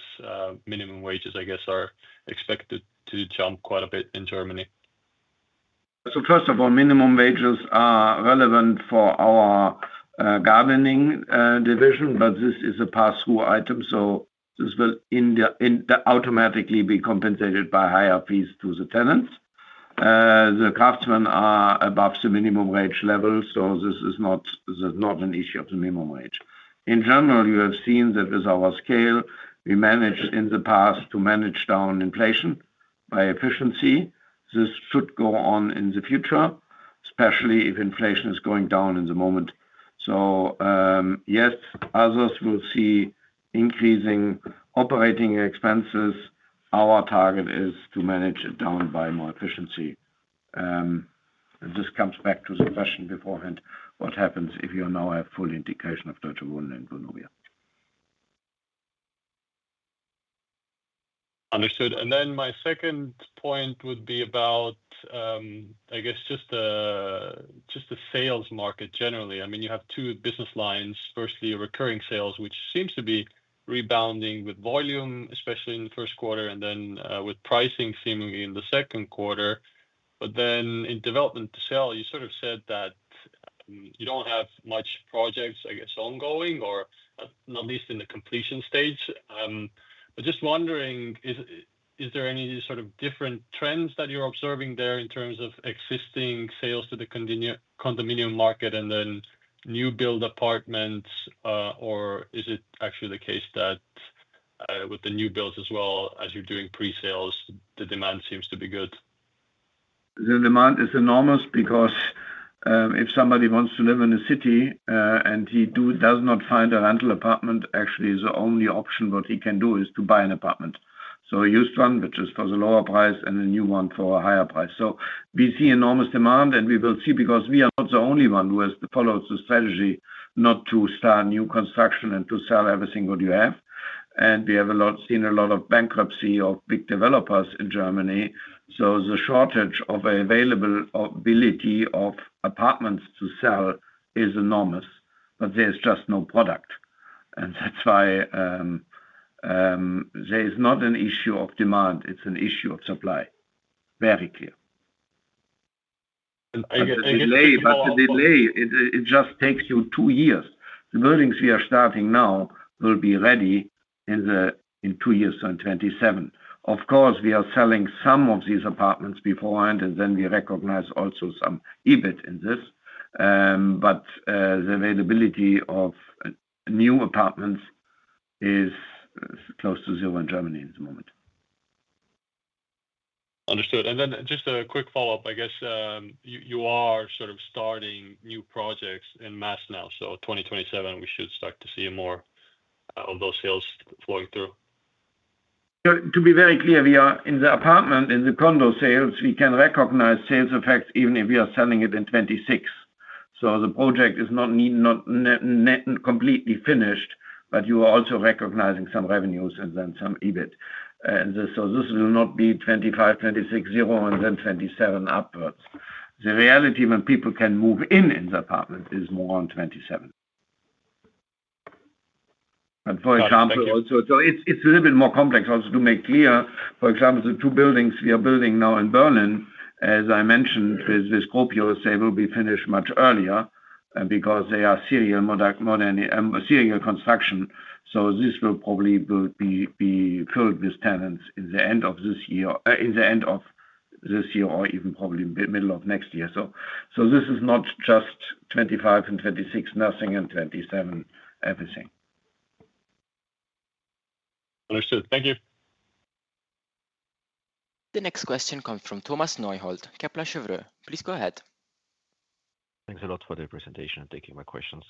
minimum wages, I guess, are expected to jump quite a bit in Germany. First of all, minimum wages are relevant for our gardening division, but this is a pass-through item. This will automatically be compensated by higher fees to the tenants. The craftsmen are above the minimum wage level, so this is not an issue of the minimum wage. In general, you have seen that with our scale, we managed in the past to manage down inflation by efficiency. This should go on in the future, especially if inflation is going down in the moment. Yes, others will see increasing operating expenses. Our target is to manage it down by more efficiency. This comes back to the question beforehand. What happens if you now have full integration of Deutsche Wohnen and Vonovia? Understood. My second point would be about the sales market generally. You have two business lines. Firstly, recurring sales, which seems to be rebounding with volume, especially in the first quarter, and then with pricing seemingly in the second quarter. In development to sell, you sort of said that you don't have much projects ongoing or at least in the completion stage. Just wondering, is there any sort of different trends that you're observing there in terms of existing sales to the condominium market and new build apartments? Is it actually the case that with the new builds as well, as you're doing pre-sales, the demand seems to be good? The demand is enormous because if somebody wants to live in a city and he does not find a rental apartment, actually, the only option what he can do is to buy an apartment, a used one, which is for the lower price, and a new one for a higher price. We see enormous demand, and we will see because we are not the only one who has followed the strategy not to start new construction and to sell everything what you have. We have seen a lot of bankruptcy of big developers in Germany. The shortage of availability of apartments to sell is enormous, but there's just no product. That's why there's not an issue of demand. It's an issue of supply. Very clear. I get it. The delay, it just takes you two years. The buildings we are starting now will be ready in two years, in 2027. Of course, we are selling some of these apartments beforehand, and then we recognize also some EBIT in this. The availability of new apartments is close to zero in Germany at the moment. Understood. Just a quick follow-up, I guess. You are sort of starting new projects en masse now. In 2027, we should start to see more of those sales flowing through. To be very clear, we are in the apartment, in the condo sales, we can recognize sales effects even if we are selling it in 2026. The project is not completely finished, but you are also recognizing some revenues and then some EBIT. This will not be 2025, 2026, and then 2027 upwards. The reality when people can move in in the apartment is more on 2027. For example, it is a little bit more complex. Also, to make clear, for example, the two buildings we are building now in Berlin, as I mentioned, with this Copios, they will be finished much earlier because they are serial construction. This will probably be filled with tenants at the end of this year, at the end of this year, or even probably middle of next year. This is not just 2025 and 2026, nothing and 2027, everything. Understood. Thank you. The next question comes from Thomas Neuhold, Kepler Cheuvreux. Please go ahead. Thanks a lot for the presentation and taking my questions.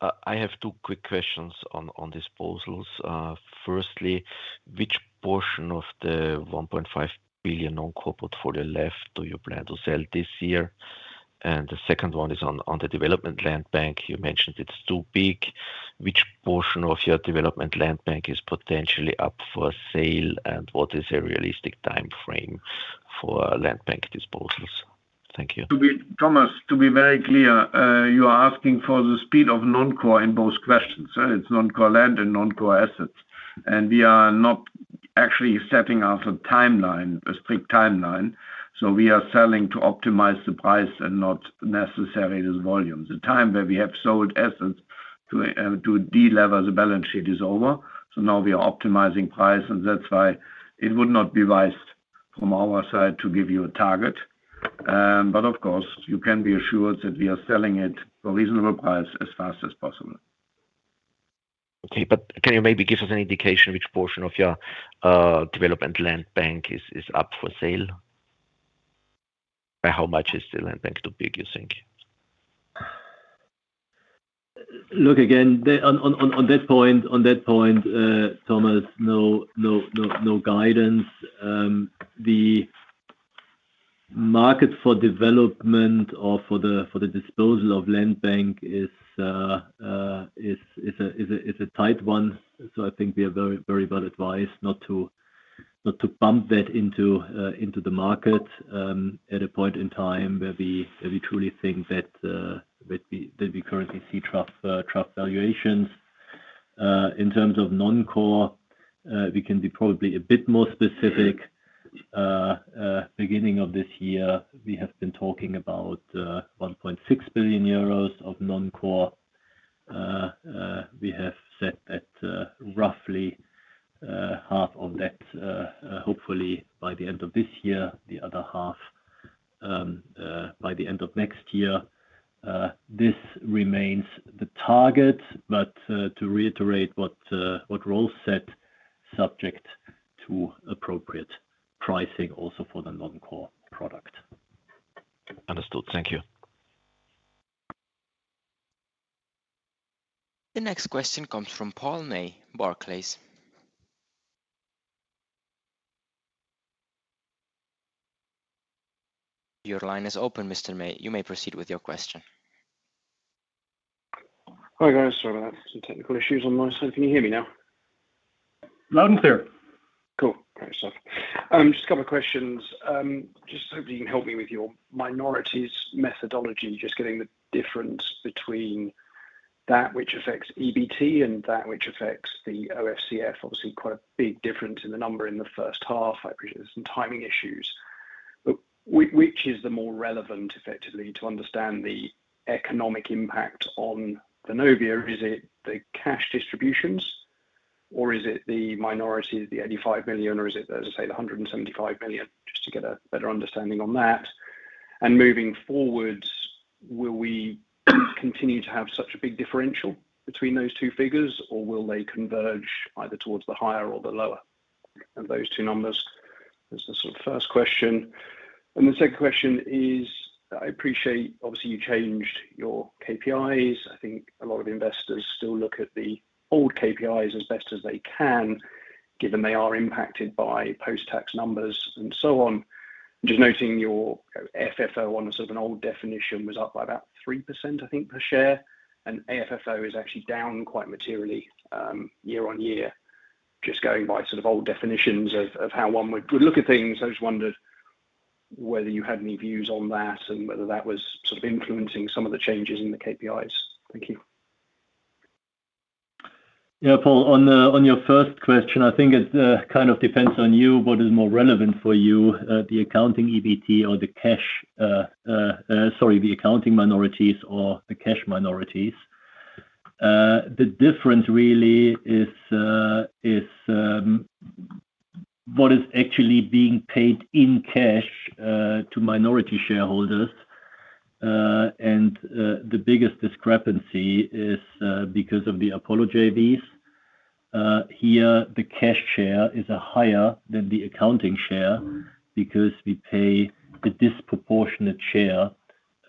I have two quick questions on disposals. Firstly, which portion of the 1.5 billion non-core portfolio left do you plan to sell this year? The second one is on the development land bank. You mentioned it's too big. Which portion of your development land bank is potentially up for sale and what is a realistic timeframe for land bank disposals? Thank you. Thomas, to be very clear, you are asking for the speed of non-core in both questions. It's non-core land and non-core assets. We are not actually setting out a timeline, a strict timeline. We are selling to optimize the price and not necessarily the volume. The time where we have sold assets to delever the balance sheet is over. We are optimizing price, and that's why it would not be wise from our side to give you a target. Of course, you can be assured that we are selling it for a reasonable price as fast as possible. Okay, but can you maybe give us an indication which portion of your development land bank is up for sale? By how much is the land bank too big, you think? On that point, Thomas, no guidance. The market for development or for the disposal of land bank is a tight one. I think we are very well advised not to bump that into the market at a point in time where we truly think that we currently see trap valuations. In terms of non-core, we can be probably a bit more specific. Beginning of this year, we have been talking about 1.6 billion euros of non-core. We have set at roughly half of that. Hopefully, by the end of this year, the other half by the end of next year. This remains the target, but to reiterate what Rolf said, subject to appropriate pricing also for the non-core product. Understood. Thank you. The next question comes from Paul May, Barclays. Your line is open, Mr. May. You may proceed with your question. Hi, guys. Sorry about that. Some technical issues on my side. Can you hear me now? Loud and clear. All right, just a couple of questions. Hoping you can help me with your minorities methodology, just getting the difference between that which affects EBIT and that which affects the OFCF. Obviously, quite a big difference in the number in the first half. I appreciate there's some timing issues. Which is the more relevant, effectively, to understand the economic impact on Vonovia? Is it the cash distributions, or is it the minorities, the 85 million, or is it, as I say, the 175 million? Just to get a better understanding on that. Moving forwards, will we continue to have such a big differential between those two figures, or will they converge either towards the higher or the lower? Those two numbers is the sort of first question. The second question is, I appreciate, obviously, you changed your KPIs. I think a lot of investors still look at the old KPIs as best as they can, given they are impacted by post-tax numbers and so on. Just noting your FFO on a sort of an old definition was up by about 3% per share. AFFO is actually down quite materially year on year, just going by sort of old definitions of how one would look at things. I just wondered whether you had any views on that and whether that was influencing some of the changes in the KPIs. Thank you. Yeah, Paul, on your first question, I think it kind of depends on you, what is more relevant for you, the accounting EBIT or the cash, sorry, the accounting minorities or the cash minorities. The difference really is what is actually being paid in cash to minority shareholders. The biggest discrepancy is because of the apologies. Here, the cash share is higher than the accounting share because we pay the disproportionate share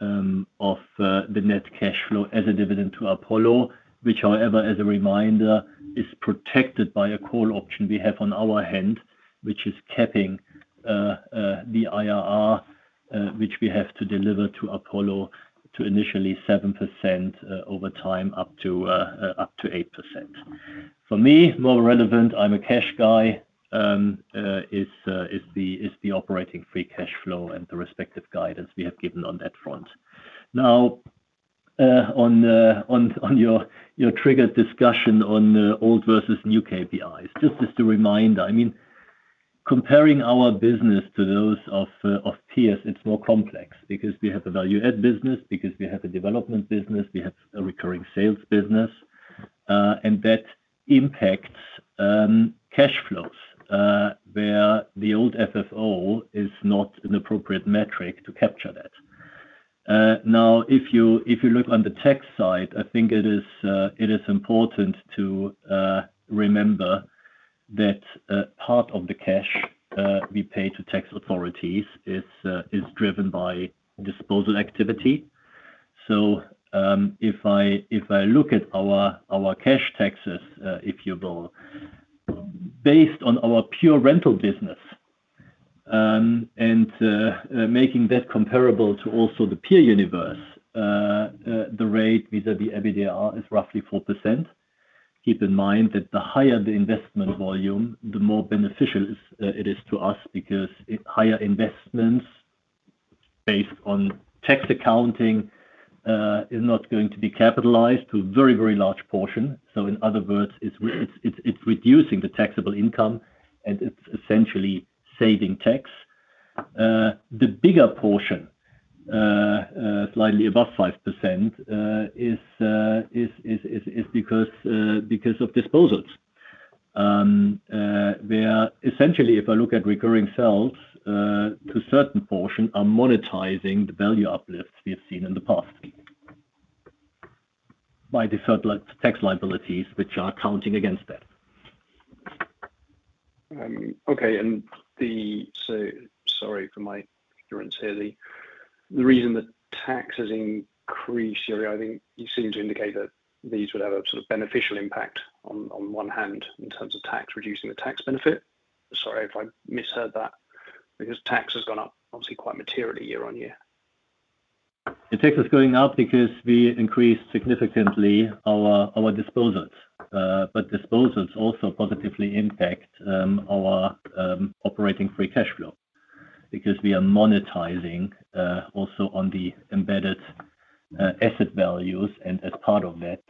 of the net cash flow as a dividend to Apollo, which, however, as a reminder, is protected by a call option we have on our hand, which is capping the IRR, which we have to deliver to Apollo to initially 7% over time up to 8%. For me, more relevant, I'm a cash guy, is the operating free cash flow and the respective guidance we have given on that front. Now, on your triggered discussion on old versus new KPIs, just as the reminder, I mean, comparing our business to those of peers, it's more complex because we have a value-add business, because we have a development business, we have a recurring sales business, and that impacts cash flows where the old FFO is not an appropriate metric to capture that. If you look on the tax side, I think it is important to remember that part of the cash we pay to tax authorities is driven by disposal activity. If I look at our cash taxes, if you will, based on our pure rental business and making that comparable to also the peer universe, the rate vis-à-vis EBITDA. Roughly 4%. Keep in mind that the higher the investment volume, the more beneficial it is to us because higher investments based on tax accounting are not going to be capitalized to a very, very large portion. In other words, it's reducing the taxable income and it's essentially saving tax. The bigger portion, slightly above 5%, is because of disposals, where essentially, if I look at recurring sales, a certain portion are monetizing the value uplifts we've seen in the past by the sort of tax liabilities which are counting against that. Sorry for my ignorance here, the reason the tax has increased here, I think you seem to indicate that these would have a sort of beneficial impact on one hand in terms of reducing the tax benefit. Sorry if I misheard that because tax has gone up obviously quite materially year on year. The tax is going up because we increased significantly our disposals, but disposals also positively impact our operating free cash flow because we are monetizing also on the embedded asset values, and as part of that,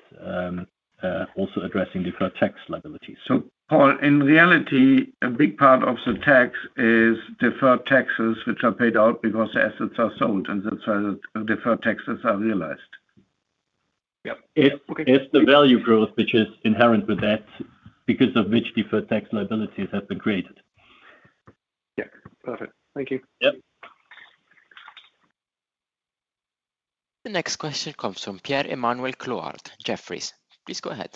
also addressing deferred tax liabilities. Paul, in reality, a big part of the tax is deferred taxes, which are paid out because the assets are sold, and that's where the deferred taxes are realized. Yep, it's the value growth which is inherent with that, because of which deferred tax liabilities have been created. Yeah, got it. Thank you. Yep. The next question comes from Pierre-Emmanuel Clouard, Jefferies. Please go ahead.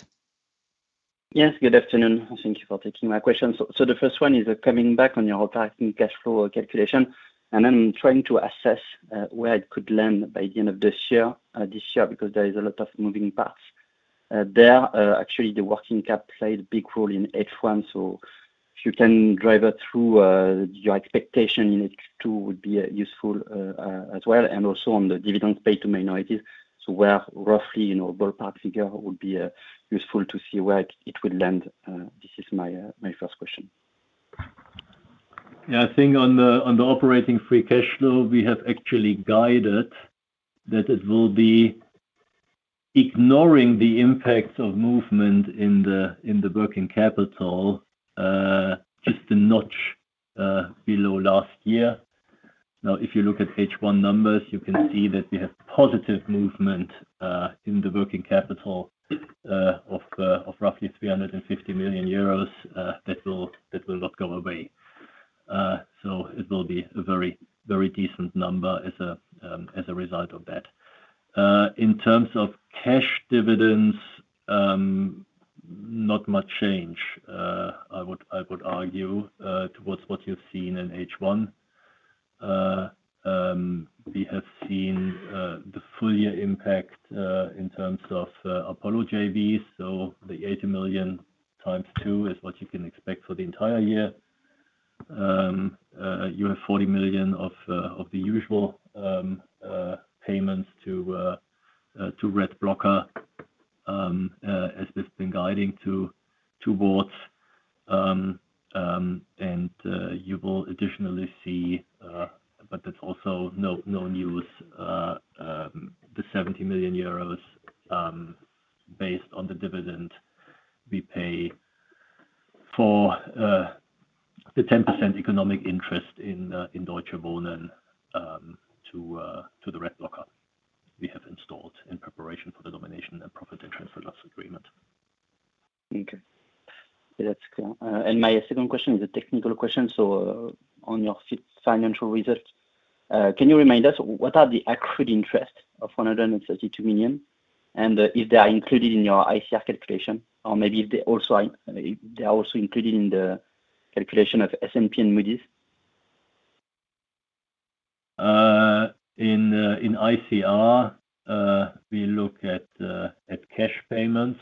Yes, good afternoon. Thank you for taking my question. The first one is coming back on your overarching cash flow calculation and I'm trying to assess where it could land by the end of this year because there is a lot of moving parts. Actually, the working cap played a big role in H1. If you can drive it through, your expectation in H2 would be useful as well and also on the dividends paid to minorities. Roughly, a ballpark figure would be useful to see where it would land. This is my first question. Yeah, I think on the operating free cash flow, we have actually guided that it will be, ignoring the impacts of movement in the working capital, just a notch below last year. Now, if you look at H1 numbers, you can see that we have positive movement in the working capital of roughly 350 million euros that will not go away. It will be a very, very decent number as a result of that. In terms of cash dividends, not much change, I would argue, towards what you've seen in H1. We have seen the full year impact in terms of Apollo JVs. The 80 million times two is what you can expect for the entire year. You have 40 million of the usual payments to Red Blocker as they've been guiding towards, and you will additionally see, but that's also no news, the 70 million euros based on the dividend we pay for the 10% economic interest in Deutsche Wohnen to the Red Blocker we have installed in preparation for the domination and profit and loss transfer agreement. Okay, that's clear. My second question is a technical question. On your financial results, can you remind us what are the accrued interests of 132 million and if they are included in your ICR calculation, or if they also are included in the calculation of S&P and Moody's? In ICR, we look at cash payments,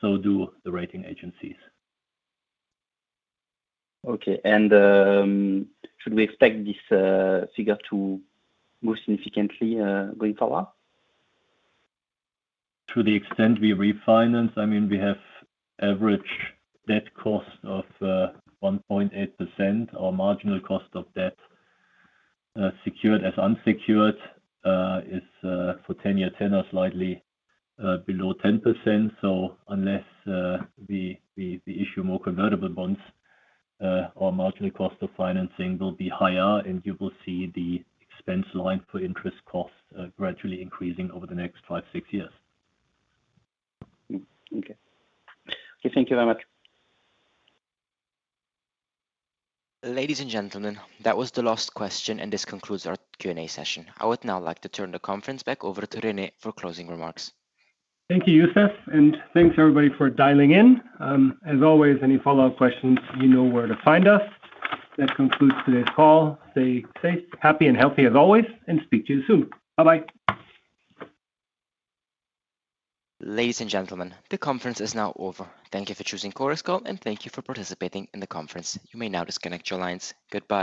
so do the rating agencies. Okay, should we expect this figure to move significantly going forward? To the extent we refinance, I mean, we have average debt cost of 1.8%. Our marginal cost of debt secured as unsecured is for 10-year tenors slightly below 10%. Unless we issue more convertible bonds, our marginal cost of financing will be higher and you will see the expense line for interest cost gradually increasing over the next five, six years. Okay, thank you very much. Ladies and gentlemen, that was the last question and this concludes our Q&A session. I would now like to turn the conference back over to Rene Hoffmann for closing remarks. Thank you, Youssef, and thanks everybody for dialing in. As always, any follow-up questions, you know where to find us. That concludes today's call. Stay safe, happy, and healthy as always, and speak to you soon. Bye-bye. Ladies and gentlemen, the conference is now over. Thank you for choosing CORESCO, and thank you for participating in the conference. You may now disconnect your lines. Goodbye.